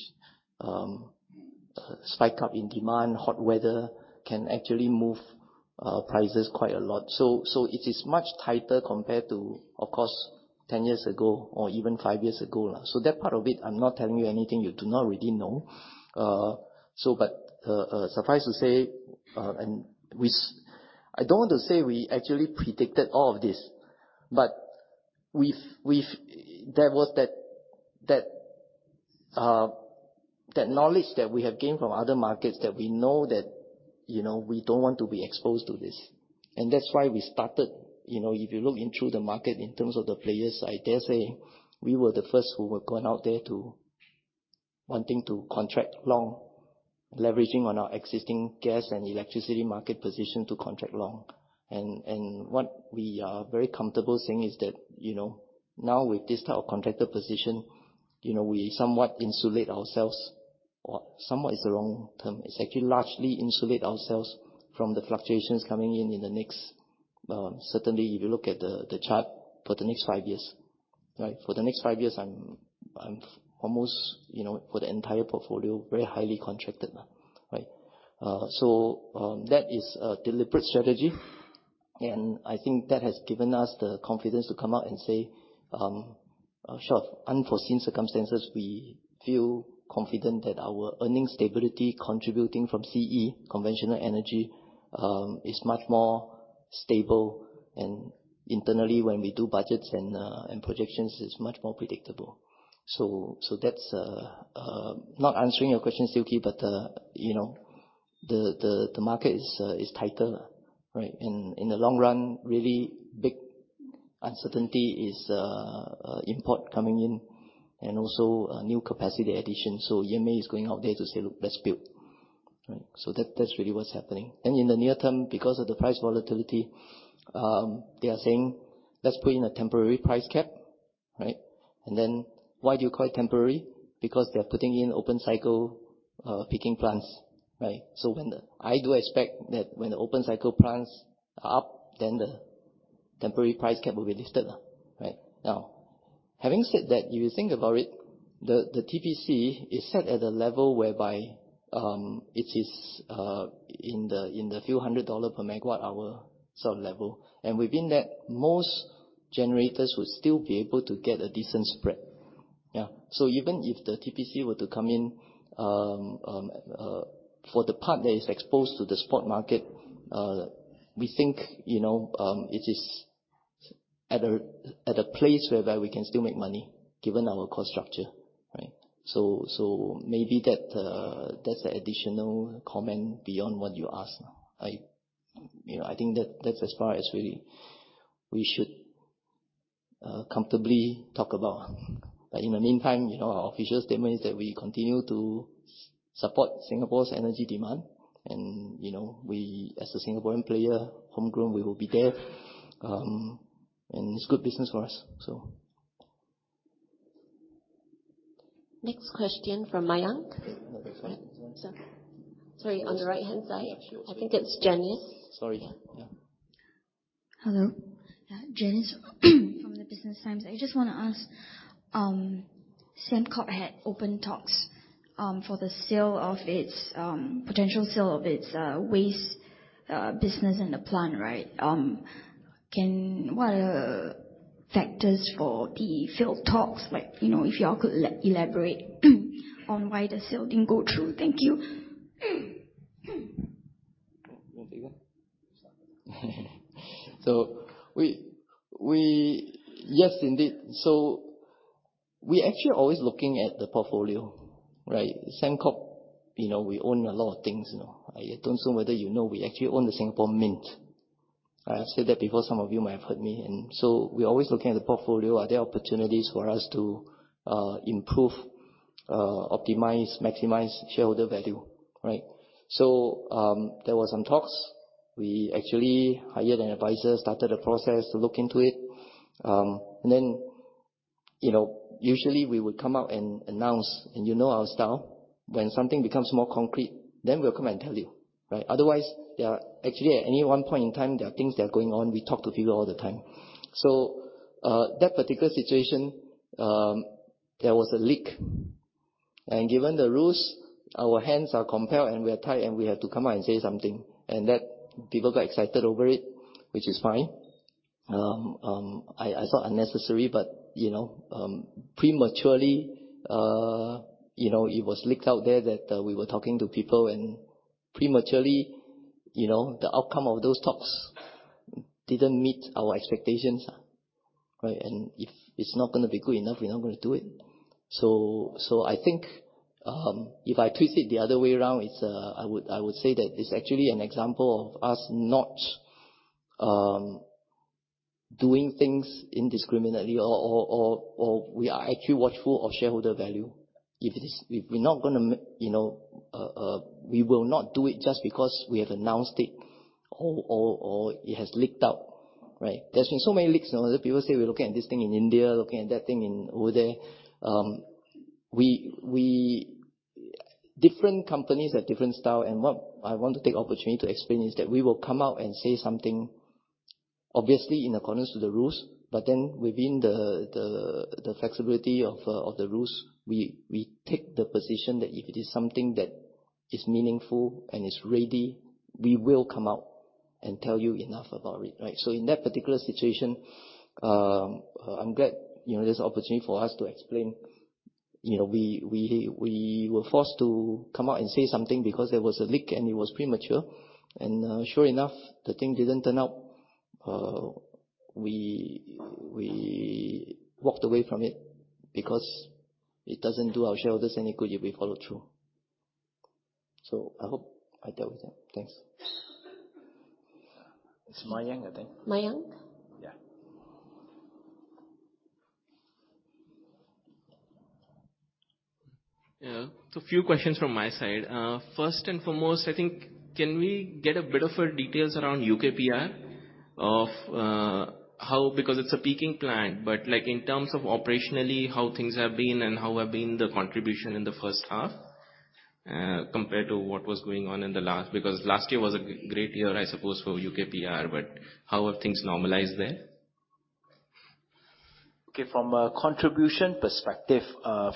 spike up in demand, hot weather, can actually move prices quite a lot. It is much tighter compared to, of course, 10 years ago or even five years ago. That part of it, I'm not telling you anything you do not already know. Surprised to say, I don't want to say we actually predicted all of this, but there was that, that knowledge that we have gained from other markets, that we know that, you know, we don't want to be exposed to this. That's why we started, you know, if you look in through the market in terms of the player side, dare say, we were the first who were going out there wanting to contract long, leveraging on our existing gas and electricity market position to contract long. What we are very comfortable saying is that, you know, now with this type of contracted position, you know, we somewhat insulate ourselves, or somewhat is the wrong term. It's actually largely insulate ourselves from the fluctuations coming in, in the next, certainly, if you look at the, the chart, for the next five years, right? For the next five years, I'm, I'm almost, you know, for the entire portfolio, very highly contracted now, right? That is a deliberate strategy, and I think that has given us the confidence to come out and say, short unforeseen circumstances, we feel confident that our earnings stability contributing from CE, conventional energy, is much more stable and internally, when we do budgets and projections, is much more predictable. That's not answering your question, Siew Khee, but, you know, the market is tighter, right? In the long run, really big uncertainty is import coming in and also new capacity addition. EMA is going out there to say, "Look, let's build," right? That, that's really what's happening. In the near term, because of the price volatility, they are saying, "Let's put in a temporary price cap." Right? Then why do you call it temporary? Because they're putting in open cycle peaking plants, right? When the open cycle plants are up, then the temporary price cap will be lifted, right? Now, having said that, if you think about it, the TPC is set at a level whereby it is in the few hundred dollar per megawatt hour sort of level. And within that, most generators would still be able to get a decent spread. Yeah. Even if the TPC were to come in for the part that is exposed to the spot market, we think, you know, it is at a place whereby we can still make money, given our cost structure, right? Maybe that's an additional comment beyond what you asked. I, you know, I think that, that's as far as we, we should, comfortably talk about. In the meantime, you know, our official statement is that we continue to support Singapore's energy demand. You know, we, as a Singaporean player, homegrown, we will be there. It's good business for us. Next question from Mayank. Yeah, next one. Sorry, on the right-hand side. I think it's Janice. Sorry. Yeah. Hello. Yeah, Janice, from The Business Times. I just want to ask, Sembcorp had open talks for the sale of its potential sale of its waste business and the plant, right? What are factors for the failed talks? Like, you know, if you all could elaborate on why the sale didn't go through. Thank you. You want to take that? Yes, indeed. We're actually always looking at the portfolio, right? Sembcorp, you know, we own a lot of things now. I don't know whether you know, we actually own The Singapore Mint. I have said that before, some of you might have heard me. We're always looking at the portfolio. Are there opportunities for us to improve, optimize, maximize shareholder value, right? There were some talks. We actually hired an advisor, started a process to look into it. Then, you know, usually we would come out and announce, and you know our style. When something becomes more concrete, then we'll come and tell you, right? Otherwise, actually, at any one point in time, there are things that are going on. We talk to people all the time. That particular situation, there was a leak, and given the rules, our hands are compelled, we are tied, and we had to come out and say something. That people got excited over it, which is fine. I, I thought unnecessary, but, you know, prematurely, you know, it was leaked out there that we were talking to people, and prematurely, you know, the outcome of those talks didn't meet our expectations, right? If it's not gonna be good enough, we're not gonna do it. I think, if I twist it the other way around, it's, I would, I would say that it's actually an example of us not doing things indiscriminately or, or, or, or we are actually watchful of shareholder value. If it is, if we're not gonna you know, we will not do it just because we have announced it or, or, or it has leaked out, right? There's been so many leaks, you know. People say we're looking at this thing in India, looking at that thing in over there. Different companies have different style, and what I want to take the opportunity to explain is that we will come out and say something, obviously in accordance to the rules, but then within the, the, the flexibility of the rules, we, we take the position that if it is something that is meaningful and is ready, we will come out and tell you enough about it, right? In that particular situation, I'm glad, you know, there's an opportunity for us to explain. You know, we were forced to come out and say something because there was a leak and it was premature. Sure enough, the thing didn't turn out. We walked away from it because it doesn't do our shareholders any good if we follow through. I hope I dealt with that. Thanks. It's Mayank, I think. Mayank? Yeah. Yeah. A few questions from my side. First and foremost, I think, can we get a bit of a details around UKPR of how because it's a peaking plant, but, like, in terms of operationally, how things have been and how have been the contribution in the first half compared to what was going on in the last? Because last year was a great year, I suppose, for UKPR, but how have things normalized there? From a contribution perspective,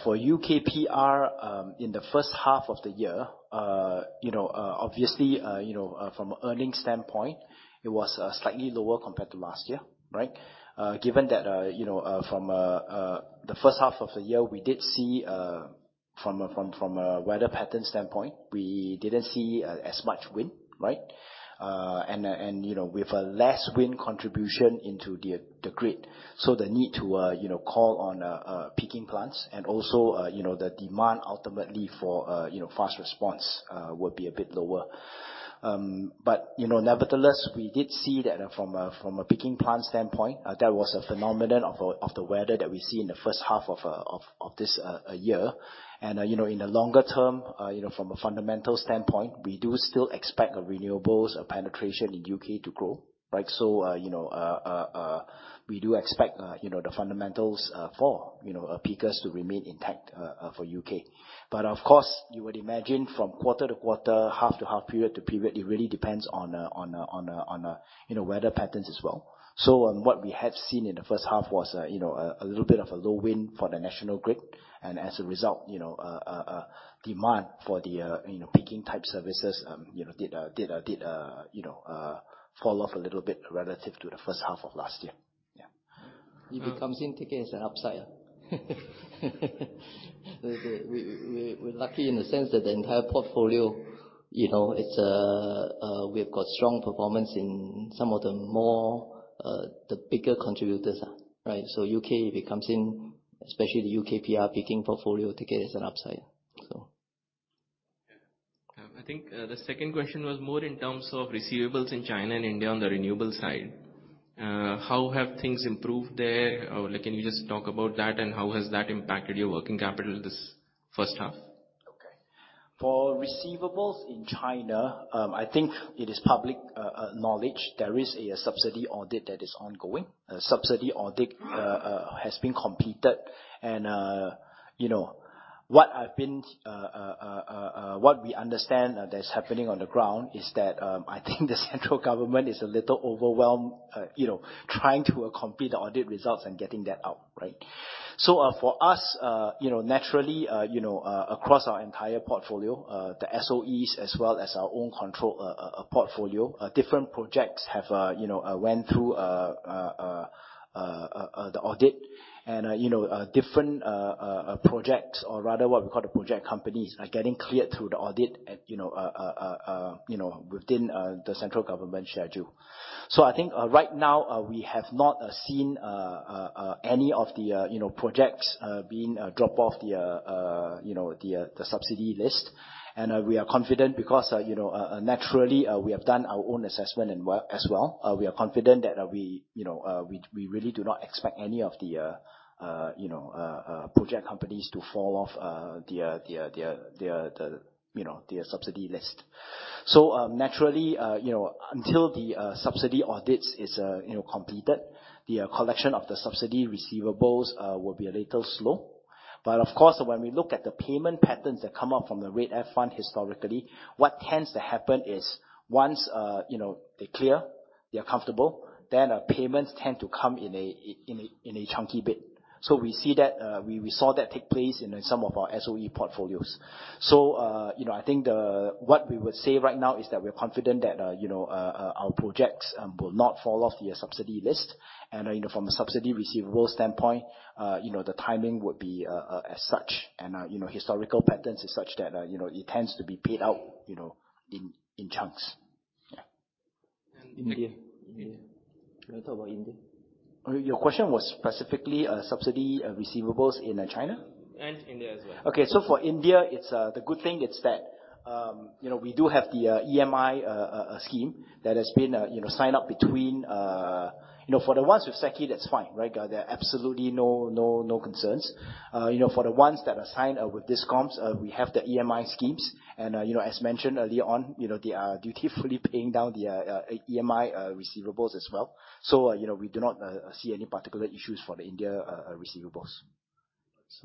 for UKPR, in the first half of the year, you know, obviously, you know, from an earnings standpoint, it was slightly lower compared to last year, right? Given that, you know, from the first half of the year, we did see, from a weather pattern standpoint, we didn't see as much wind, right? And, you know, with a less wind contribution into the grid. The need to, you know, call on peaking plants and also, you know, the demand ultimately for, you know, fast response, would be a bit lower. You know, nevertheless, we did see that from a, from a peaking plant standpoint, that was a phenomenon of, of the weather that we see in the first half of this year. You know, in the longer term, you know, from a fundamental standpoint, we do still expect the renewables penetration in U.K. to grow, right? You know, we do expect, you know, the fundamentals for, you know, peakers to remain intact for U.K. Of course, you would imagine from quarter to quarter, half to half, period to period, it really depends on a, on a, on a, on a, you know, weather patterns as well. What we have seen in the first half was a, you know, a little bit of a low wind for the national grid. As a result, you know, a demand for the, you know, peaking type services, you know, did fall off a little bit relative to the first half of last year. Yeah. If it comes in, take it as an upside. We're lucky in the sense that the entire portfolio, you know, it's a. We've got strong performance in some of the more, the bigger contributors, right? UK, if it comes in, especially the UKPR peaking portfolio, take it as an upside, so. I think, the second question was more in terms of receivables in China and India on the renewables side. How have things improved there? Like, can you just talk about that, and how has that impacted your working capital this first half? Okay. For receivables in China, I think it is public knowledge. There is a subsidy audit that is ongoing. A subsidy audit has been completed. You know, what I've been what we understand that's happening on the ground is that, I think the central government is a little overwhelmed, you know, trying to complete the audit results and getting that out, right? For us, you know, naturally, you know, across our entire portfolio, the SOEs as well as our own control portfolio, different projects have, you know, went through the audit. You know, different projects, or rather what we call the project companies, are getting cleared through the audit at, you know, you know, within the central government schedule. I think, right now, we have not seen any of the, you know, projects, being drop off the, you know, the subsidy list. We are confident because, you know, naturally, we have done our own assessment and work as well. We are confident that, we, you know, we, we really do not expect any of the, you know, project companies to fall off, the, the, the, the, the, you know, the subsidy list. Naturally, you know, until the subsidy audits is, you know, completed, the collection of the subsidy receivables will be a little slow. Of course, when we look at the payment patterns that come up from the REDF Fund historically, what tends to happen is once, you know, they clear, they are comfortable, then payments tend to come in a, in a, in a chunky bit. We see that we, we saw that take place in some of our SOE portfolios. I think what we would say right now is that we're confident that, you know, our projects will not fall off the subsidy list. From a subsidy receivable standpoint, you know, the timing would be as such. You know, historical patterns is such that, you know, it tends to be paid out, you know, in, in chunks. Yeah. India. India. You want to talk about India? Your question was specifically, subsidy, receivables in China? India as well. For India, it's the good thing is that, you know, we do have the EMI scheme that has been, you know, signed up between. For the ones with SECI, that's fine, right? There are absolutely no, no, no concerns. You know, for the ones that are signed with DISCOMs, we have the EMI schemes. You know, as mentioned earlier on, you know, they are dutifully paying down the EMI receivables as well. You know, we do not see any particular issues for the India receivables.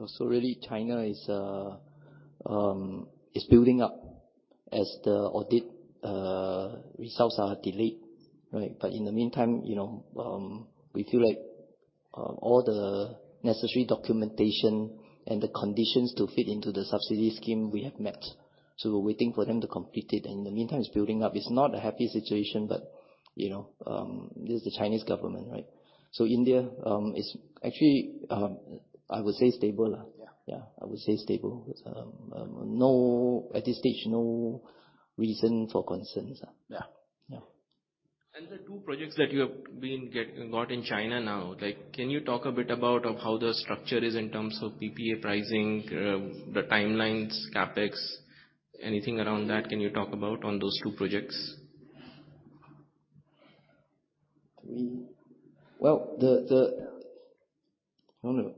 So really, China is building up as the audit results are delayed, right? In the meantime, you know, we feel like all the necessary documentation and the conditions to fit into the subsidy scheme we have met. We're waiting for them to complete it, and in the meantime, it's building up. It's not a happy situation, but, you know, this is the Chinese government, right? India is actually, I would say stable. Yeah. Yeah, I would say stable. No, at this stage, no reason for concerns. Yeah. Yeah. The two projects that you have been got in China now, like, can you talk a bit about of how the structure is in terms of PPA pricing, the timelines, CapEx? Anything around that, can you talk about on those two projects? Well, the, I don't know.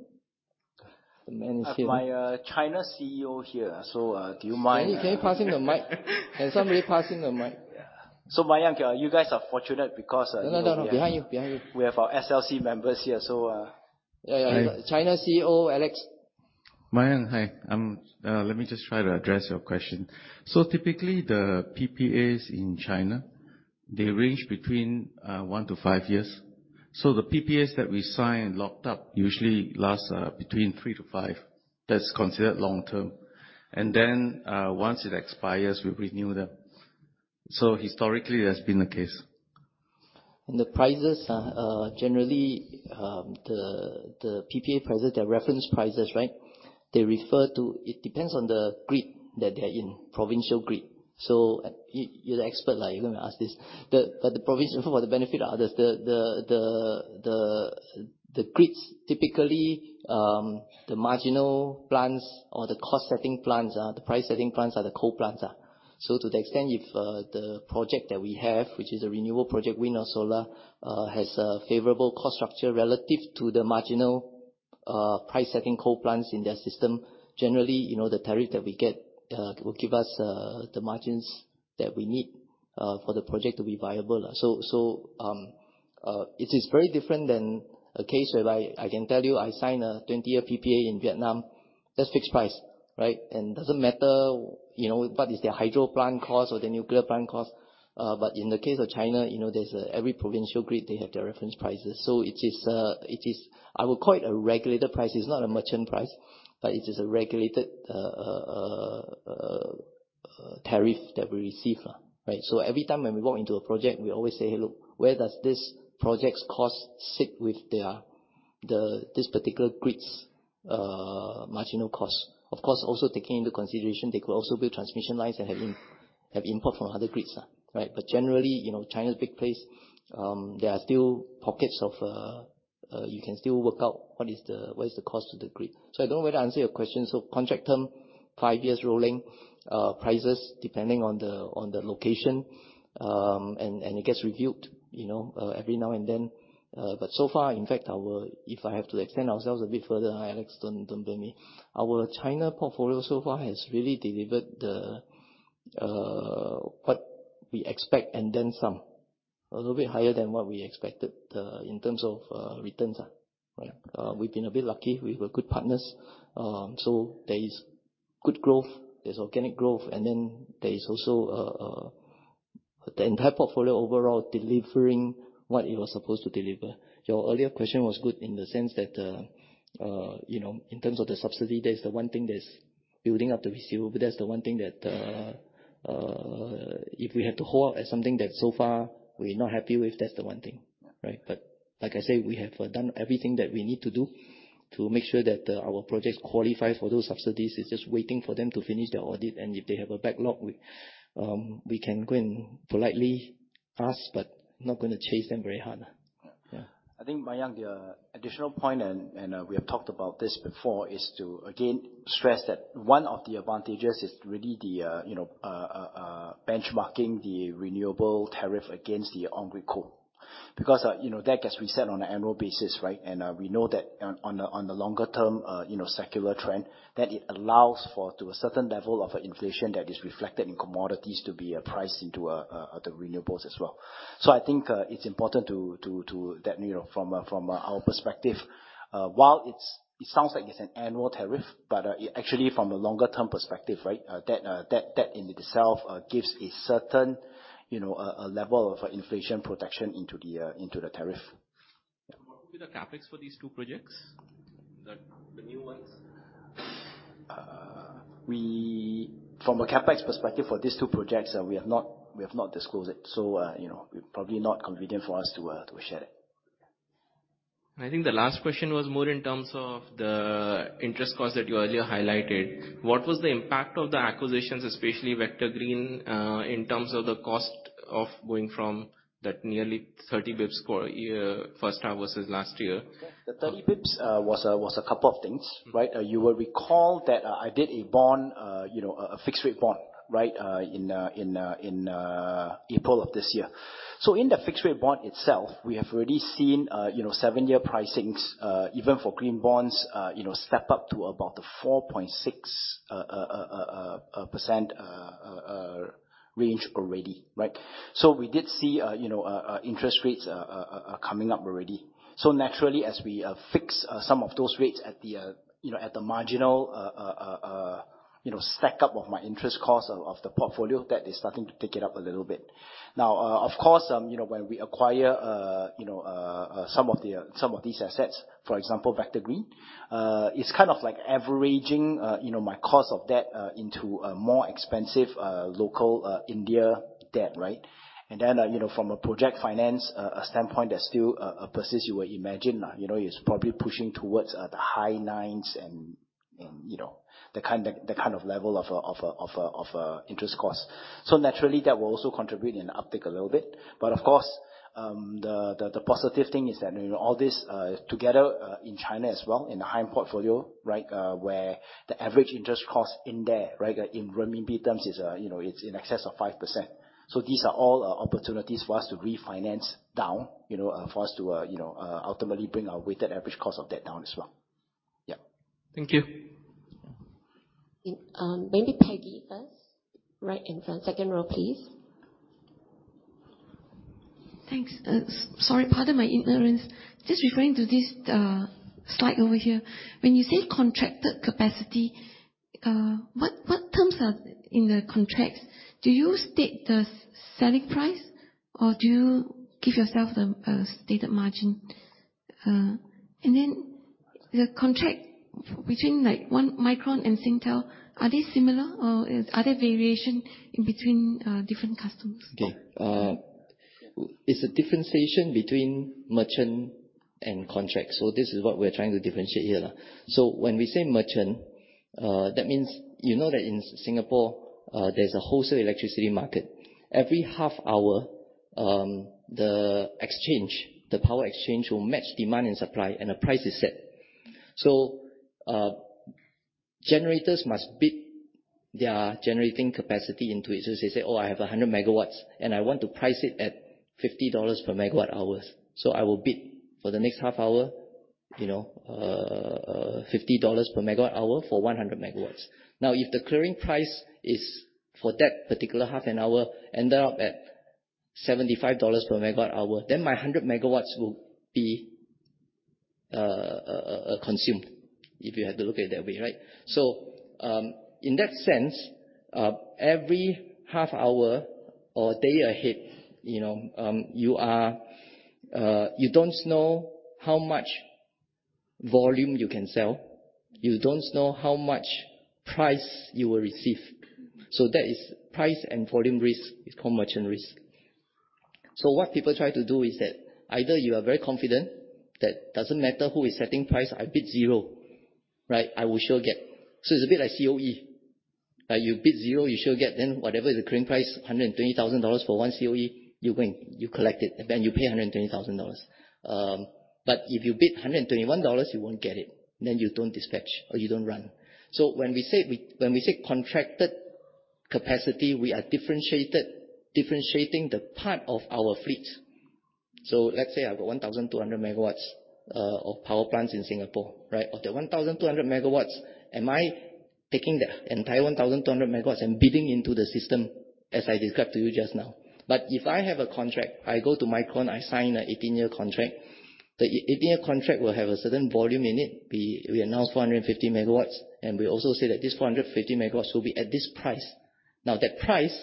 The man is here. My China CEO here, do you mind? Can you, can you pass him the mic? Can somebody pass him the mic? Yeah. Mayank, you guys are fortunate because. No, no, no, behind you. Behind you. We have our SLC members here, so, yeah, China CEO, Alex. Mayank, hi. Let me just try to address your question. Typically, the PPAs in China, they range between one to five years. The PPAs that we sign and locked up usually last between three to five. That's considered long-term. Then, once it expires, we renew them. Historically, that's been the case. The prices, generally, the PPA prices, they're reference prices, right? They refer to. It depends on the grid that they're in, provincial grid. You're the expert, like, you're gonna ask this. The province, for the benefit of others, the grids, typically, the marginal plants or the cost-setting plants, the price-setting plants are the coal plants, yeah. To the extent, if the project that we have, which is a renewable project, wind or solar, has a favorable cost structure relative to the marginal, price-setting coal plants in their system. Generally, you know, the tariff that we get, will give us the margins that we need, for the project to be viable. It is very different than a case where I, I can tell you, I signed a 20-year PPA in Vietnam. That's fixed price, right? Doesn't matter, you know, what is their hydro plant cost or their nuclear plant cost. In the case of China, you know, every provincial grid, they have their reference prices. It is I would call it a regulated price. It's not a merchant price, but it is a regulated tariff that we receive, right? Every time when we go into a project, we always say: Hey, look, where does this project's cost sit with their, the, this particular grid's marginal cost? Of course, also taking into consideration, they could also build transmission lines that have in, have input from other grids, right? Generally, you know, China's a big place. There are still pockets of, you can still work out what is the, what is the cost to the grid. I don't know whether I answered your question? Contract term, five years rolling, prices, depending on the, on the location, and, and it gets reviewed, you know, every now and then. So far, in fact, our, if I have to extend ourselves a bit further, Alex, don't, don't blame me. Our China portfolio so far has really delivered the, what we expect, and then some. A little bit higher than what we expected, in terms of, returns, right? We've been a bit lucky. We've got good partners. There is good growth, there's organic growth, and then there is also the entire portfolio overall delivering what it was supposed to deliver. Your earlier question was good in the sense that, you know, in terms of the subsidy, that's the one thing that's building up the VCU. That's the one thing that, if we had to hold at something that so far we're not happy with, that's the one thing, right? Like I say, we have done everything that we need to do to make sure that our projects qualify for those subsidies. It's just waiting for them to finish their audit, and if they have a backlog, we can go and politely ask, but not gonna chase them very hard. I think, Mayank, the additional point, and, we have talked about this before, is to again stress that one of the advantages is really the, you know, benchmarking the renewable tariff against the grid coal. Because, you know, that gets reset on an annual basis, right? We know that on the longer term, you know, secular trend, that it allows for, to a certain level of inflation that is reflected in commodities to be, priced into, the renewables as well. I think, it's important that, you know, from our perspective, while it's, it sounds like it's an annual tariff, but, actually from a longer term perspective, right, that in itself, gives a certain, you know, a level of inflation protection into the tariff. What would be the CapEx for these two projects, the new ones? From a CapEx perspective for these two projects, we have not, we have not disclosed it, so, you know, probably not convenient for us to to share it. I think the last question was more in terms of the interest cost that you earlier highlighted. What was the impact of the acquisitions, especially Vector Green, in terms of the cost of going from that nearly 30 basis points for year, first half versus last year? The 30 basis points was a couple of things, right? You will recall that I did a bond, you know, a fixed-rate bond, right, in April of this year. In the fixed-rate bond itself, we have already seen, you know, seven-year pricings, even for green bonds, you know, step up to about the 4.6% range already, right? We did see, you know, interest rates coming up already. Naturally, as we fix some of those rates at the, you know, at the marginal, you know, stack up of my interest cost of the portfolio, that is starting to tick it up a little bit. Now, of course, you know, when we acquire, you know, some of the, some of these assets, for example, Vector Green, it's kind of like averaging, you know, my cost of debt, into a more expensive, local, India debt, right? Then, you know, from a project finance standpoint, there's still a persist you would imagine. You know, it's probably pushing towards the high nines and, and, you know, the kind that, the kind of level of an interest cost. Naturally, that will also contribute in the uptick a little bit. Of course, the positive thing is that, you know, all this, together, in China as well, in the HYNE portfolio, right, where the average interest cost in there, right, in renminbi terms is, you know, it's in excess of 5%. These are all opportunities for us to refinance down, you know, for us to, you know, ultimately bring our weighted average cost of debt down as well. Yeah. Thank you. Maybe Peggy first, right in front, second row, please. Thanks. Sorry, pardon my ignorance. Just referring to this slide over here. When you say contracted capacity, what terms are in the contracts? Do you state the selling price, or do you give yourself a stated margin? The contract between, like, one Micron and Singtel, are they similar, or are there variation in between different customers? Okay. It's a differentiation between merchant and contract. This is what we're trying to differentiate here. When we say merchant, that means, you know that in Singapore, there's a wholesale electricity market. Every half hour, the exchange, the power exchange, will match demand and supply, and a price is set. Generators must bid their generating capacity into it. They say, "Oh, I have 100 MW, and I want to price it at 50 dollars/MWh." I will bid for the next half hour, you know, 50 dollars/MWh for 100 MW. Now, if the clearing price is for that particular half an hour, ended up at 75 dollars/MWh, then my 100 MW will be consumed, if you had to look at it that way, right? In that sense, every half hour or day ahead, you know, you don't know how much volume you can sell. You don't know how much price you will receive. That is price and volume risk. It's called merchant risk. What people try to do is that either you are very confident, that doesn't matter who is setting price, I bid zero, right? I will sure get. It's a bit like COE. You bid zero, you sure get. Whatever is the current price, 120,000 dollars for one COE, you win, you collect it, and then you pay 120,000 dollars. If you bid 121 dollars, you won't get it, and then you don't dispatch or you don't run. When we say when we say contracted capacity, we are differentiated, differentiating the part of our fleet. Let's say I've got 1,200 MW of power plants in Singapore, right? Of the 1,200 MW, am I taking the entire 1,200 MW and bidding into the system, as I described to you just now? If I have a contract, I go to Micron, I sign an 18-year contract. The 18-year contract will have a certain volume in it. We, we announce 450 MW, and we also say that this 450 MW will be at this price. That price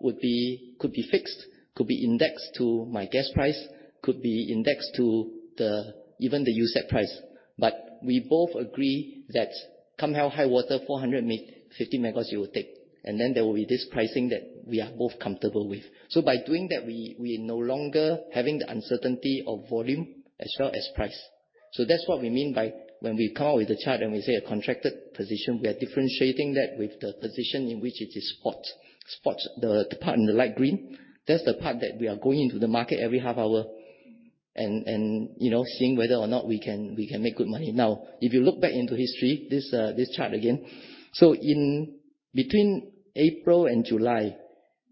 would be, could be fixed, could be indexed to my gas price, could be indexed to even the USEP price. We both agree that come hell or high water, 450 MW you will take, and then there will be this pricing that we are both comfortable with. By doing that, we are no longer having the uncertainty of volume as well as price. That's what we mean by when we come up with a chart and we say a contracted position, we are differentiating that with the position in which it is spot, the part in the light green. That's the part that we are going into the market every half hour and, you know, seeing whether or not we can make good money. If you look back into history, this chart again. In between April and July,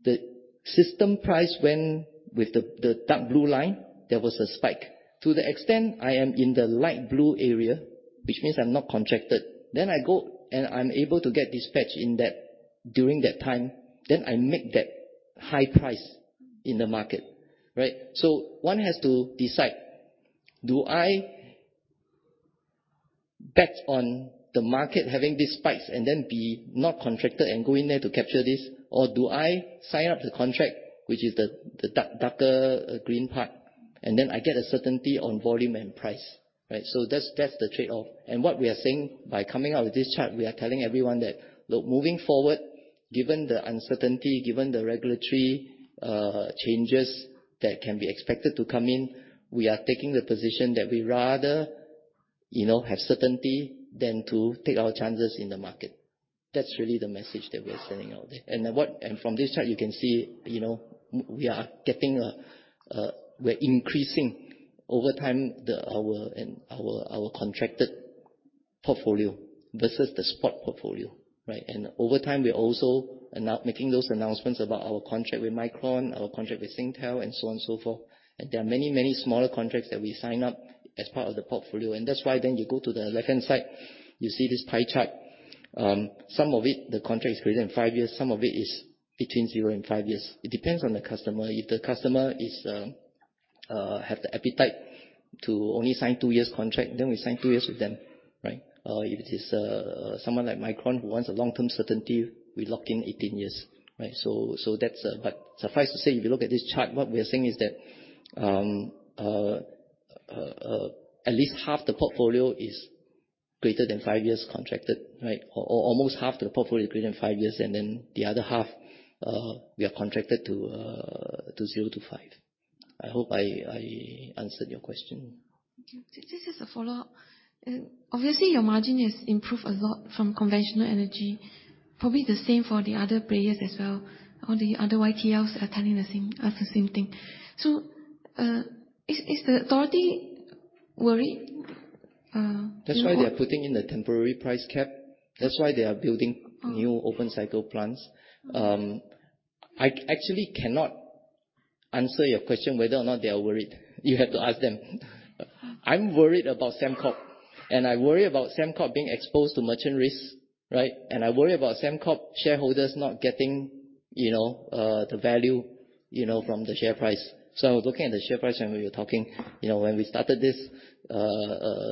the system price went with the dark blue line, there was a spike. To the extent I am in the light blue area, which means I'm not contracted, then I go and I'm able to get dispatched in that, during that time, then I make that high price in the market, right? So one has to decide, do I bet on the market having these spikes and then be not contracted and go in there to capture this? Or do I sign up the contract, which is the, the dark, darker green part, and then I get a certainty on volume and price, right? So that's, that's the trade-off. And what we are saying by coming out with this chart, we are telling everyone that look, moving forward, given the uncertainty, given the regulatory changes that can be expected to come in, we are taking the position that we rather, you know, have certainty than to take our chances in the market. That's really the message that we're sending out there. From this chart, you can see, you know, we are getting a, we're increasing over time, the, our, our, our contracted portfolio versus the spot portfolio, right? Over time, we're also making those announcements about our contract with Micron, our contract with Singtel, and so on and so forth. There are many, many smaller contracts that we sign up as part of the portfolio. That's why then you go to the left-hand side, you see this pie chart. Some of it, the contract is greater than five years, some of it is between zero and five years. It depends on the customer. If the customer is, have the appetite to only sign two years contract, then we sign two years with them, right? If it is someone like Micron who wants a long-term certainty, we lock in 18 years, right? That's. Suffice to say, if you look at this chart, what we are saying is that at least half the portfolio is greater than five years contracted, right? Almost half the portfolio is greater than five years, and then the other half, we are contracted to zero to five. I hope I, I answered your question. Just as a follow-up, and obviously, your margin has improved a lot from conventional energy. Probably the same for the other players as well, all the other YTLs are telling the same, us the same thing. Is, is the authority worried. That's why they are putting in a temporary price cap. That's why they are building. Oh. New open cycle plants. I actually cannot answer your question, whether or not they are worried. You have to ask them. I'm worried about Sembcorp, and I worry about Sembcorp being exposed to merchant risk, right? I worry about Sembcorp shareholders not getting, you know, the value, you know, from the share price. I was looking at the share price when we were talking. You know, when we started this,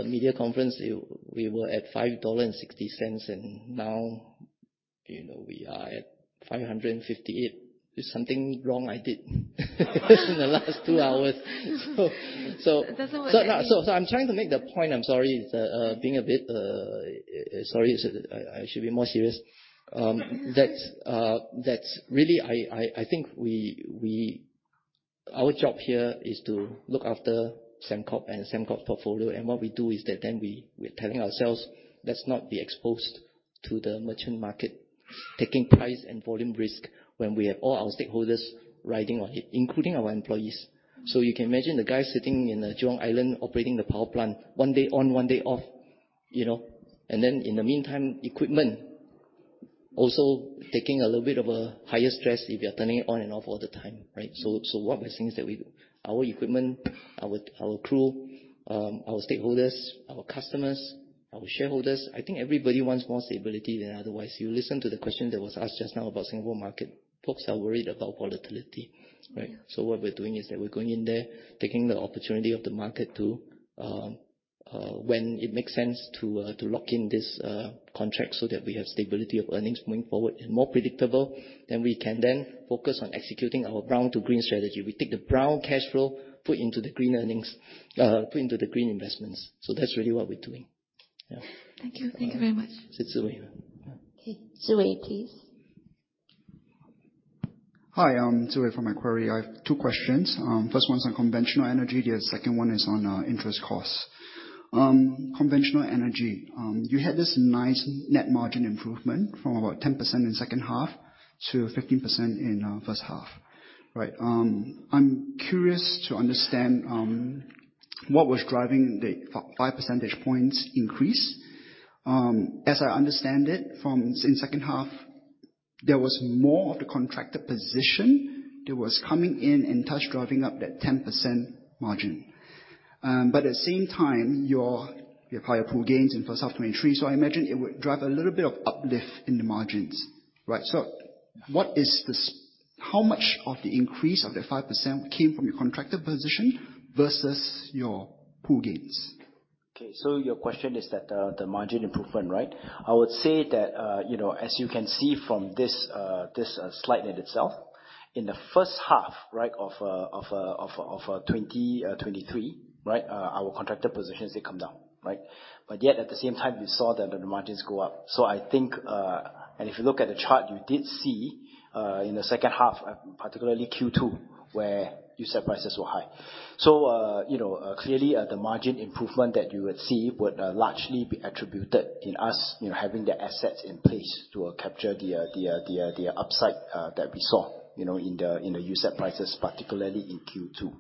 media conference, we, we were at 5.60 dollar, and now, you know, we are at 5.58. There's something wrong I did, in the last two hours. It doesn't work. I'm trying to make the point, I'm sorry, being a bit, sorry, I should be more serious. That really I think Our job here is to look after Sembcorp and Sembcorp's portfolio, and what we do is that then we, we're telling ourselves, "Let's not be exposed to the merchant market, taking price and volume risk when we have all our stakeholders riding on it, including our employees." You can imagine the guy sitting in the Jurong Island operating the power plant, one day on, one day off, you know. Then, in the meantime, equipment also taking a little bit of a higher stress if you are turning it on and off all the time, right? What we're saying is that we, our equipment, our crew, our stakeholders, our customers, our shareholders, I think everybody wants more stability than otherwise. You listen to the question that was asked just now about Singapore market. Folks are worried about volatility, right? What we're doing is that we're going in there, taking the opportunity of the market to, when it makes sense to lock in this contract so that we have stability of earnings moving forward and more predictable, then we can then focus on executing our Brown to Green strategy. We take the brown cash flow, put into the green earnings, put into the green investments, so that's really what we're doing. Yeah. Thank you. Thank you very much. It's Zhiwei. Okay. Zhiwei, please. Hi, I'm Zhiwei from Macquarie. I have two questions. First one's on conventional energy, the second one is on interest costs. Conventional energy. You had this nice net margin improvement from about 10% in second half to 15% in first half. Right. I'm curious to understand what was driving the 5 percentage points increase. As I understand it, from, since second half, there was more of the contracted position that was coming in, in touch, driving up that 10% margin. But at the same time, your, your higher pool gains in first half 2023, so I imagine it would drive a little bit of uplift in the margins. Right. What is this, how much of the increase of the 5% came from your contracted position versus your pool gains? Okay, so your question is that, the margin improvement, right? I would say that, you know, as you can see from this, this slide in itself, in the first half of 2023, our contracted positions, they come down, right? Yet, at the same time, you saw that the margins go up. I think, if you look at the chart, you did see, in the second half, particularly Q2, where USEP prices were high. You know, clearly, the margin improvement that you would see would largely be attributed in us, you know, having the assets in place to capture the upside that we saw, you know, in the USEP prices, particularly in Q2.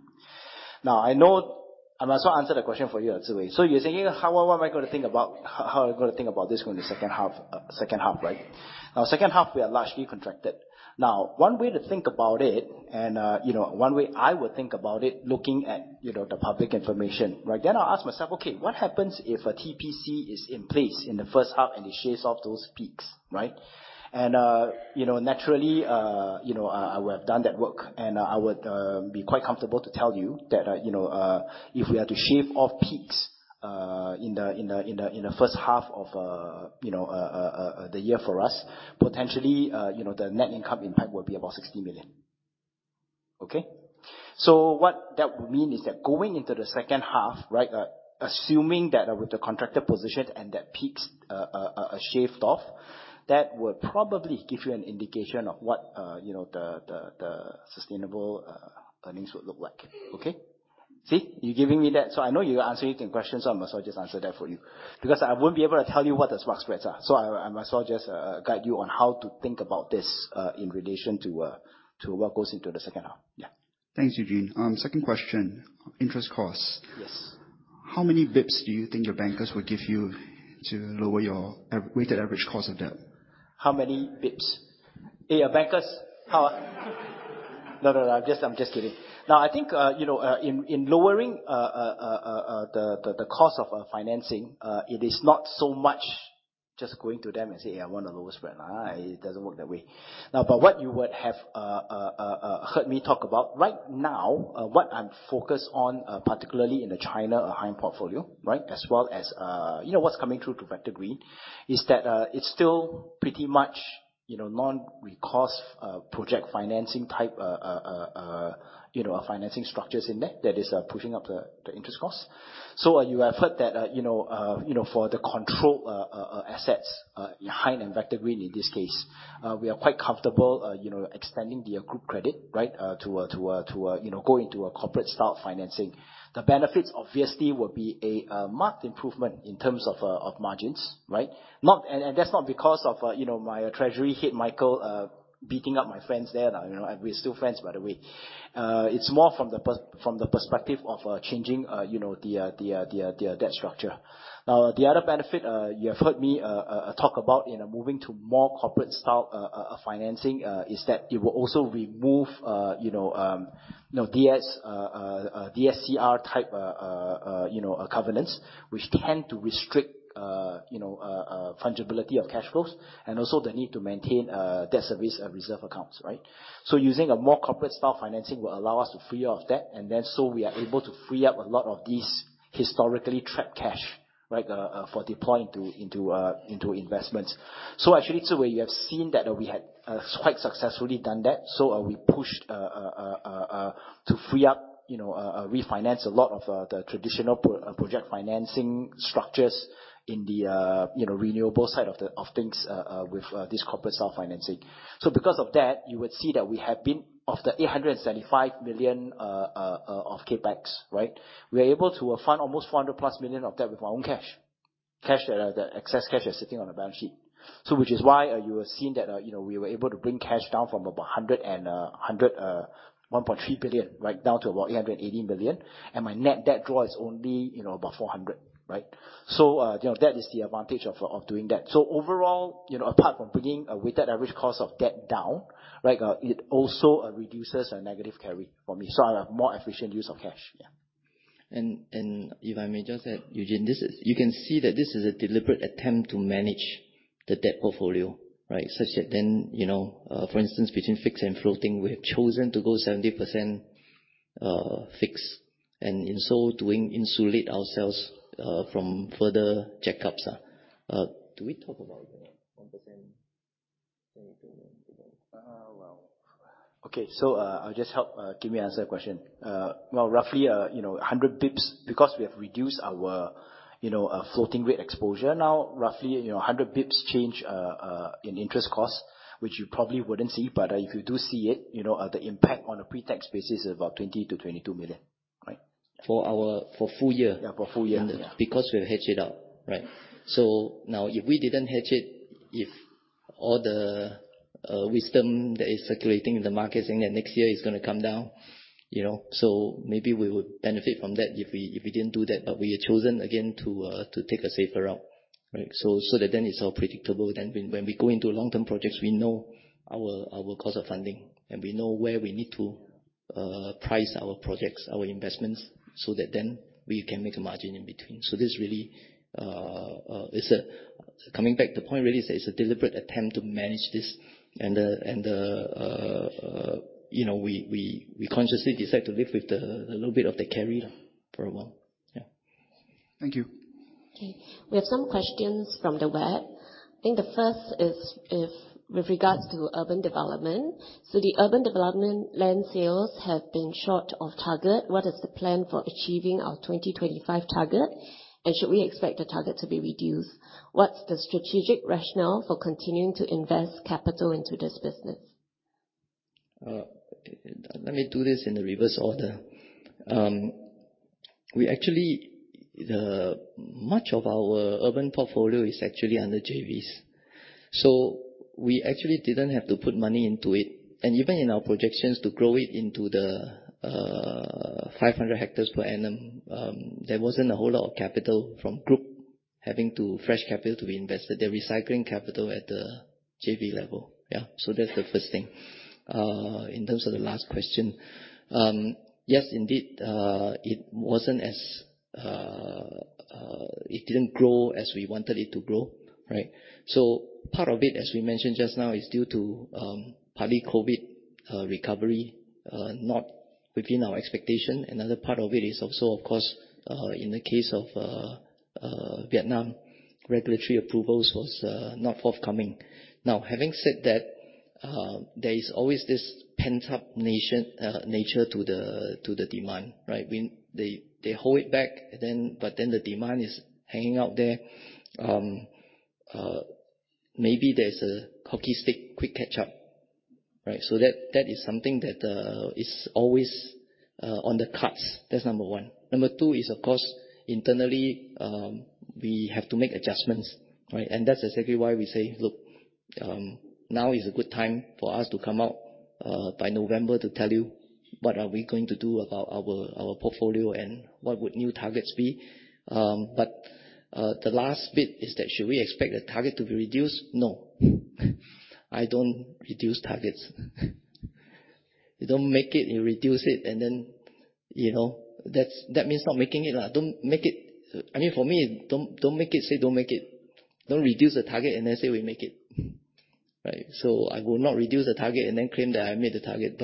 I know, I must not answer the question for you, Zhiwei. You're saying, "How, what am I gonna think about, how I gonna think about this going in the second half, second half, right?" Second half, we are largely contracted. One way to think about it, and, you know, one way I would think about it, looking at, you know, the public information, right? I'll ask myself: "Okay, what happens if a TPC is in place in the first half, and it shaves off those peaks, right?' You know, naturally, you know, I, I would have done that work, and, I would, be quite comfortable to tell you that, you know, if we are to shave off peaks, in the, in the, in the, in the first half of, you know, the year for us, potentially, you know, the net income impact would be about 60 million. Okay? What that would mean is that going into the second half, right, assuming that, with the contracted position and that peaks, are shaved off, that would probably give you an indication of what, you know, the, the, the sustainable, earnings would look like. Okay? You're giving me that, so I know you're asking certain questions, so I must all just answer that for you because I won't be able to tell you what the swap spreads are. I must all just guide you on how to think about this in relation to to what goes into the second half. Yeah. Thanks, Eugene. Second question, interest costs. Yes. How many basis points do you think your bankers will give you to lower your weighted average cost of debt? How many basis points? Hey, bankers. No, no, no, I'm just, I'm just kidding. I think, you know, in lowering the cost of financing, it is not so much just going to them and say, "Hey, I want the lowest spread." It doesn't work that way. Now, what you would have heard me talk about, right now, what I'm focused on, particularly in the China HYNE portfolio, right? As well as, you know, what's coming through to Vector Green, is that it's still pretty much, you know, non-recourse, project financing type, you know, financing structures in there that is pushing up the interest costs. So, you know, for the control assets in Hainan and Vector Green, in this case, we are quite comfortable, you know, extending the group credit, right, to a, to a, to a, you know, going to a corporate style financing. The benefits obviously will be a marked improvement in terms of margins, right? And that's not because of, you know, my treasury hit Michael beating up my friends there. Now, you know, we're still friends, by the way. It's more from the perspective of changing, you know, the debt structure. The other benefit, you have heard me talk about, you know, moving to more corporate style financing, is that it will also remove, you know, you know, DS, DSCR type, you know, covenants, which tend to restrict, you know, fungibility of cash flows, and also the need to maintain debt service and reserve accounts, right? Using a more corporate style financing will allow us to free of that, and then so we are able to free up a lot of these historically trapped cash, right, for deploying into, into, into investments. Actually, to where you have seen that we had quite successfully done that, we pushed to free up, you know, refinance a lot of the traditional project financing structures in the, you know, renewables side of things with this corporate self-financing. Because of that, you would see that we have been, of the 875 million of CapEx, right? We are able to fund almost 400 million+ of that with our own cash. Cash, the excess cash is sitting on the balance sheet. Which is why, you have seen that, you know, we were able to bring cash down from about 1.3 billion, right, down to about 880 million. My net debt draw is only, you know, about 400 million, right? You know, that is the advantage of doing that. Overall, you know, apart from bringing a weighted average cost of debt down, right, it also reduces a negative carry for me, so a more efficient use of cash. Yeah. And if I may just add, Eugene, this you can see that this is a deliberate attempt to manage the debt portfolio, right? Such that then, you know, for instance, between fixed and floating, we have chosen to go 70% fixed, and in so doing, insulate ourselves, from further checkups. Do we talk about, you know, 1%? Well, okay. I'll just help, give me answer the question. Well, roughly, you know, 100 basis points, because we have reduced our, you know, floating rate exposure. Now, roughly, you know, 100 basis points change, in interest costs, which you probably wouldn't see, but, if you do see it, you know, the impact on a pre-tax basis is about 20 million-22 million, right? For full year? Yeah, for full year. Because we hedge it out, right? Now, if we didn't hedge it, if all the wisdom that is circulating in the market, saying that next year is going to come down, you know, maybe we would benefit from that if we, if we didn't do that, but we have chosen again to take a safer route, right? That then it's all predictable. When we go into long-term projects, we know our cost of funding, and we know where we need to price our projects, our investments, so that then we can make a margin in between. This really, is a coming back to point, really, is a deliberate attempt to manage this. The, and the, you know, we, we, we consciously decide to live with the, a little bit of the carry for a while. Yeah. Thank you. Okay, we have some questions from the web. I think the first is if, with regards to urban development. The urban development land sales have been short of target. What is the plan for achieving our 2025 target? Should we expect the target to be reduced? What's the strategic rationale for continuing to invest capital into this business? Let me do this in the reverse order. We actually much of our urban portfolio is actually under JVs, so we actually didn't have to put money into it. And even in our projections to grow it into the 500 hectares per annum, there wasn't a whole lot of capital from group having to fresh capital to be invested. They're recycling capital at the JV level. Yeah, so that's the first thing. In terms of the last question, yes, indeed, it wasn't as it didn't grow as we wanted it to grow, right? So part of it, as we mentioned just now, is due to partly COVID recovery not within our expectation. Another part of it is also, of course, in the case of Vietnam, regulatory approvals was not forthcoming. Now, having said that, there is always this pent-up nation, nature to the, to the demand, right? When they, they hold it back, then, but then the demand is hanging out there. Maybe there's a hockey stick, quick catch up, right? That, that is something that is always on the cards. That's number one. Number two is, of course, internally, we have to make adjustments, right? That's exactly why we say: Look, now is a good time for us to come out by November to tell you, what are we going to do about our, our portfolio, and what would new targets be? The last bit is that, should we expect the target to be reduced? No. I don't reduce targets. You don't make it, you reduce it, and then, you know, that's, that means not making it. Don't make it. I mean, for me, don't, don't make it, say, "Don't make it." Don't reduce the target, and then say, "We make it." Right? I will not reduce the target and then claim that I made the target.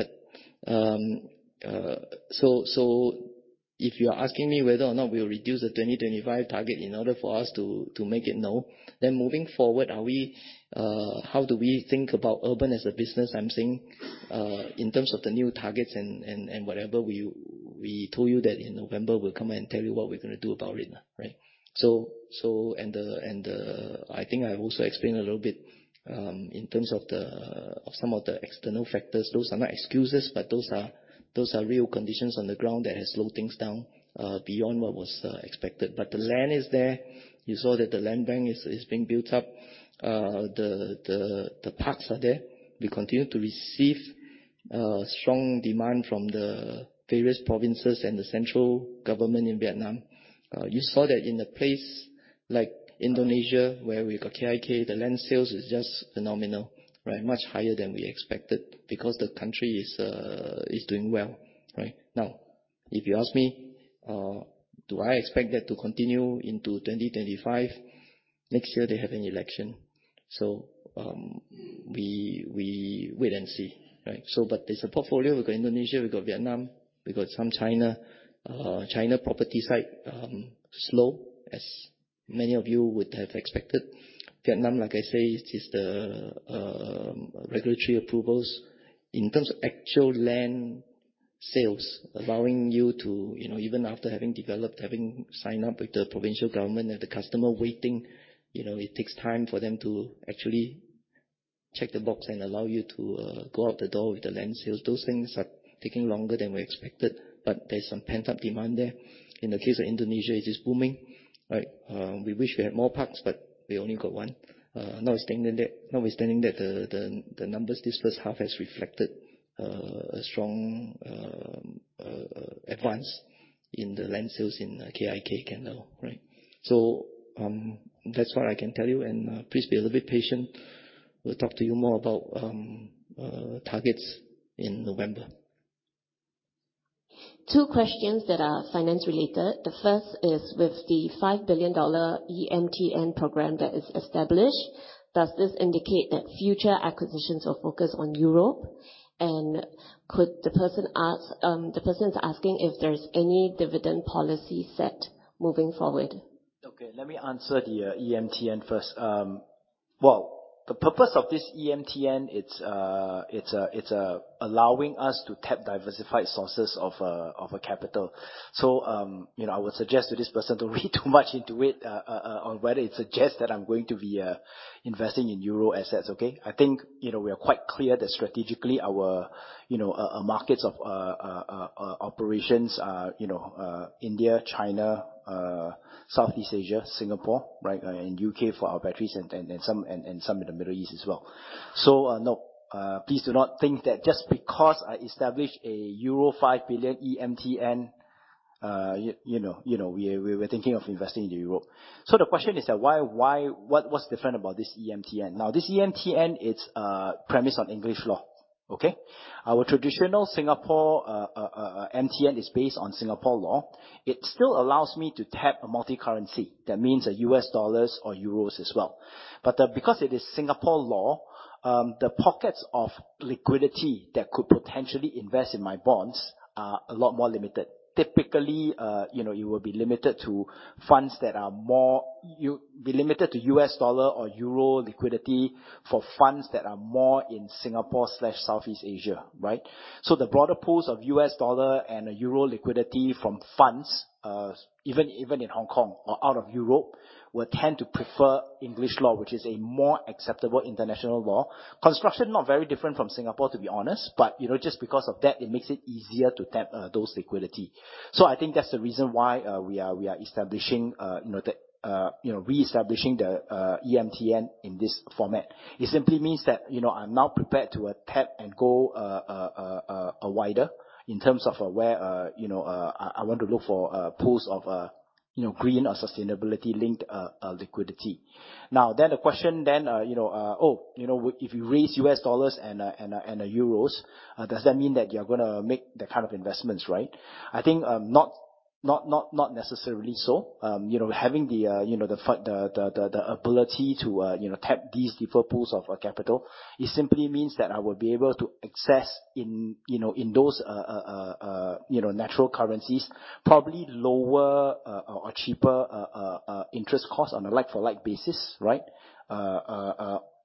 If you are asking me whether or not we'll reduce the 2025 target in order for us to, to make it? No. Moving forward, are we, how do we think about urban as a business? I'm saying, in terms of the new targets and, and, and whatever we told you that in November, we'll come and tell you what we're gonna do about it, right? I think I've also explained a little bit, in terms of the, of some of the external factors. Those are not excuses, but those are, those are real conditions on the ground that has slowed things down, beyond what was expected. The land is there. You saw that the land bank is, is being built up. The, the, the parks are there. We continue to receive, strong demand from the various provinces and the central government in Vietnam. You saw that in a place like Indonesia, where we've got KIK, the land sales is just phenomenal, right? Much higher than we expected because the country is, is doing well, right. If you ask me, do I expect that to continue into 2025? Next year, they have an election, we, we wait and see, right? There's a portfolio. We've got Indonesia, we've got Vietnam, we've got some China. China property side, slow, as many of you would have expected. Vietnam, like I say, it is the regulatory approvals. In terms of actual land sales, allowing you to, you know, even after having developed, having signed up with the provincial government and the customer waiting, you know, it takes time for them to actually check the box and allow you to go out the door with the land sales. Those things are taking longer than we expected, but there's some pent-up demand there. In the case of Indonesia, it is booming, right? We wish we had more parks, but we only got one. Notwithstanding that, notwithstanding that, the, the, the numbers this first half has reflected a strong advance in the land sales in KIK, right. That's what I can tell you, and please be a little bit patient. We'll talk to you more about targets in November. Two questions that are finance related. The first is with the 5 billion dollar EMTN program that is established, does this indicate that future acquisitions will focus on Europe? The person is asking if there is any dividend policy set moving forward? Okay, let me answer the EMTN first. Well, the purpose of this EMTN, it's allowing us to tap diversified sources of a capital. You know, I would suggest to this person to read too much into it on whether it suggests that I'm going to be investing in Euro assets, okay? I think, you know, we are quite clear that strategically, our, you know, markets of operations are, you know, India, China, Southeast Asia, Singapore, right, and U.K. for our batteries and, and, some, and, and some in the Middle East as well. No, please do not think that just because I established a euro 5 billion EMTN, you know, we were thinking of investing in Europe. The question is that why, why, what, what's different about this EMTN? Now, this EMTN, it's premise on English law, okay? Our traditional Singapore MTN, is based on Singapore law. It still allows me to tap a multicurrency. That means a U.S. dollar or euro as well. Because it is Singapore law, the pockets of liquidity that could potentially invest in my bonds are a lot more limited. Typically, you know, you'll be limited to U.S. dollar or euro liquidity for funds that are more in Singapore/Southeast Asia, right? The broader pools of U.S. dollar and euro liquidity from funds, even, even in Hong Kong or out of Europe, will tend to prefer English law, which is a more acceptable international law. Construction, not very different from Singapore, to be honest, but, you know, just because of that, it makes it easier to tap those liquidity. I think that's the reason why we are establishing, you know, reestablishing the EMTN in this format. It simply means that, you know, I'm now prepared to tap and go wider in terms of where, you know, I want to look for pools of, you know, green or sustainability-linked liquidity. Then, the question then, you know, oh, you know, if you raise U.S. dollars and euros, does that mean that you're gonna make that kind of investments, right? I think, not necessarily so. You know, having the, you know, the ability to, you know, tap these different pools of capital, it simply means that I will be able to access in, you know, in those, you know, natural currencies, probably lower, or cheaper, interest costs on a like-for-like basis, right?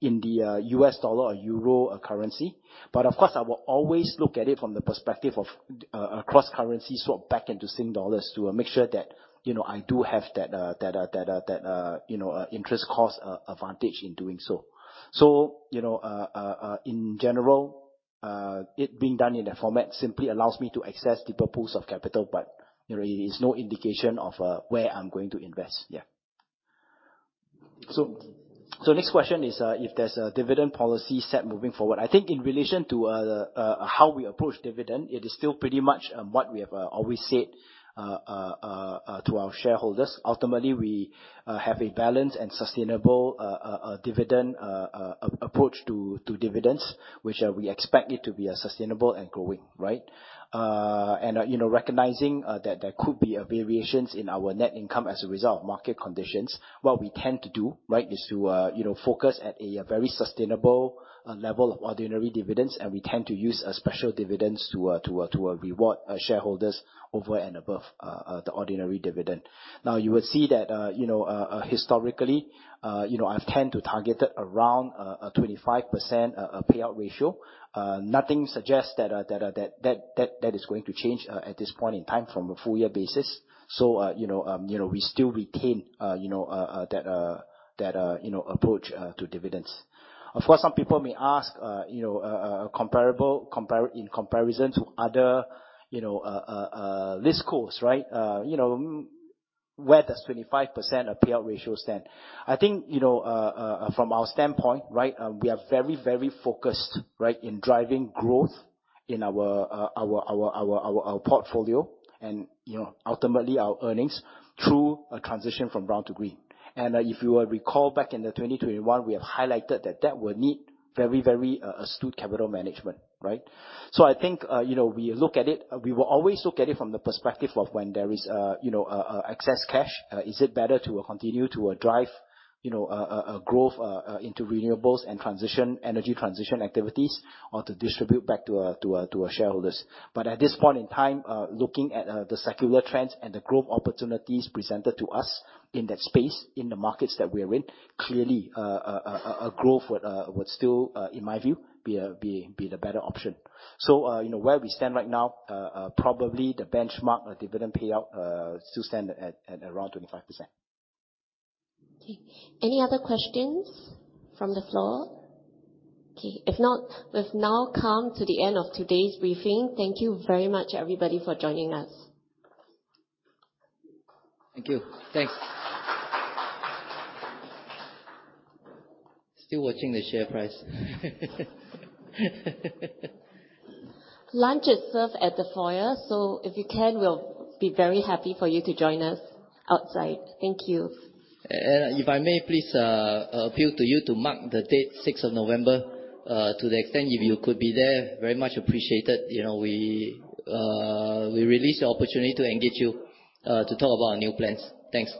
In the US dollar or euro currency. Of course, I will always look at it from the perspective of a cross-currency swap back into Sing dollars to make sure that, you know, I do have that, that, that, that, that, you know, interest cost advantage in doing so. You know, in general, it being done in that format simply allows me to access deeper pools of capital, but, you know, it is no indication of where I'm going to invest. Yeah. Next question is, if there's a dividend policy set moving forward. I think in relation to how we approach dividend, it is still pretty much what we have always said to our shareholders. Ultimately, we have a balanced and sustainable dividend approach to dividends, which we expect it to be a sustainable and growing, right? You know, recognizing that there could be variations in our net income as a result of market conditions, what we tend to do, right, is to, you know, focus at a very sustainable level of ordinary dividends, and we tend to use a special dividends to, to, to reward our shareholders over and above the ordinary dividend. Now, you will see that, you know, historically, you know, I've tend to target it around a 25% payout ratio. Nothing suggests that, that, that, that, that is going to change at this point in time from a full year basis. You know, you know, we still retain, you know, that, you know, approach to dividends. Of course, some people may ask, you know, comparable, in comparison to other, you know, listcos, right? You know, where does 25% of payout ratio stand? I think, you know, from our standpoint, right, we are very, very focused, right, in driving growth in our, our, our, our, our portfolio, and, you know, ultimately our earnings through a transition from Brown to Green. If you will recall back in 2021, we have highlighted that that will need very, very astute capital management, right? I think, you know, we look at it, we will always look at it from the perspective of when there is, you know, excess cash, is it better to continue to drive, you know, a growth into renewables and transition, energy transition activities, or to distribute back to our shareholders. At this point in time, looking at the secular trends and the growth opportunities presented to us in that space, in the markets that we are in, clearly, a growth would still, in my view, be the better option. You know, where we stand right now, probably the benchmark of dividend payout still stand at around 25%. Okay. Any other questions from the floor? Okay, if not, we've now come to the end of today's briefing. Thank you very much, everybody, for joining us. Thank you. Thanks. Still watching the share price. Lunch is served at the foyer, so if you can, we'll be very happy for you to join us outside. Thank you. If I may, please, appeal to you to mark the date 6th of November, to the extent, if you could be there, very much appreciated. You know, we, we release the opportunity to engage you, to talk about our new plans. Thanks.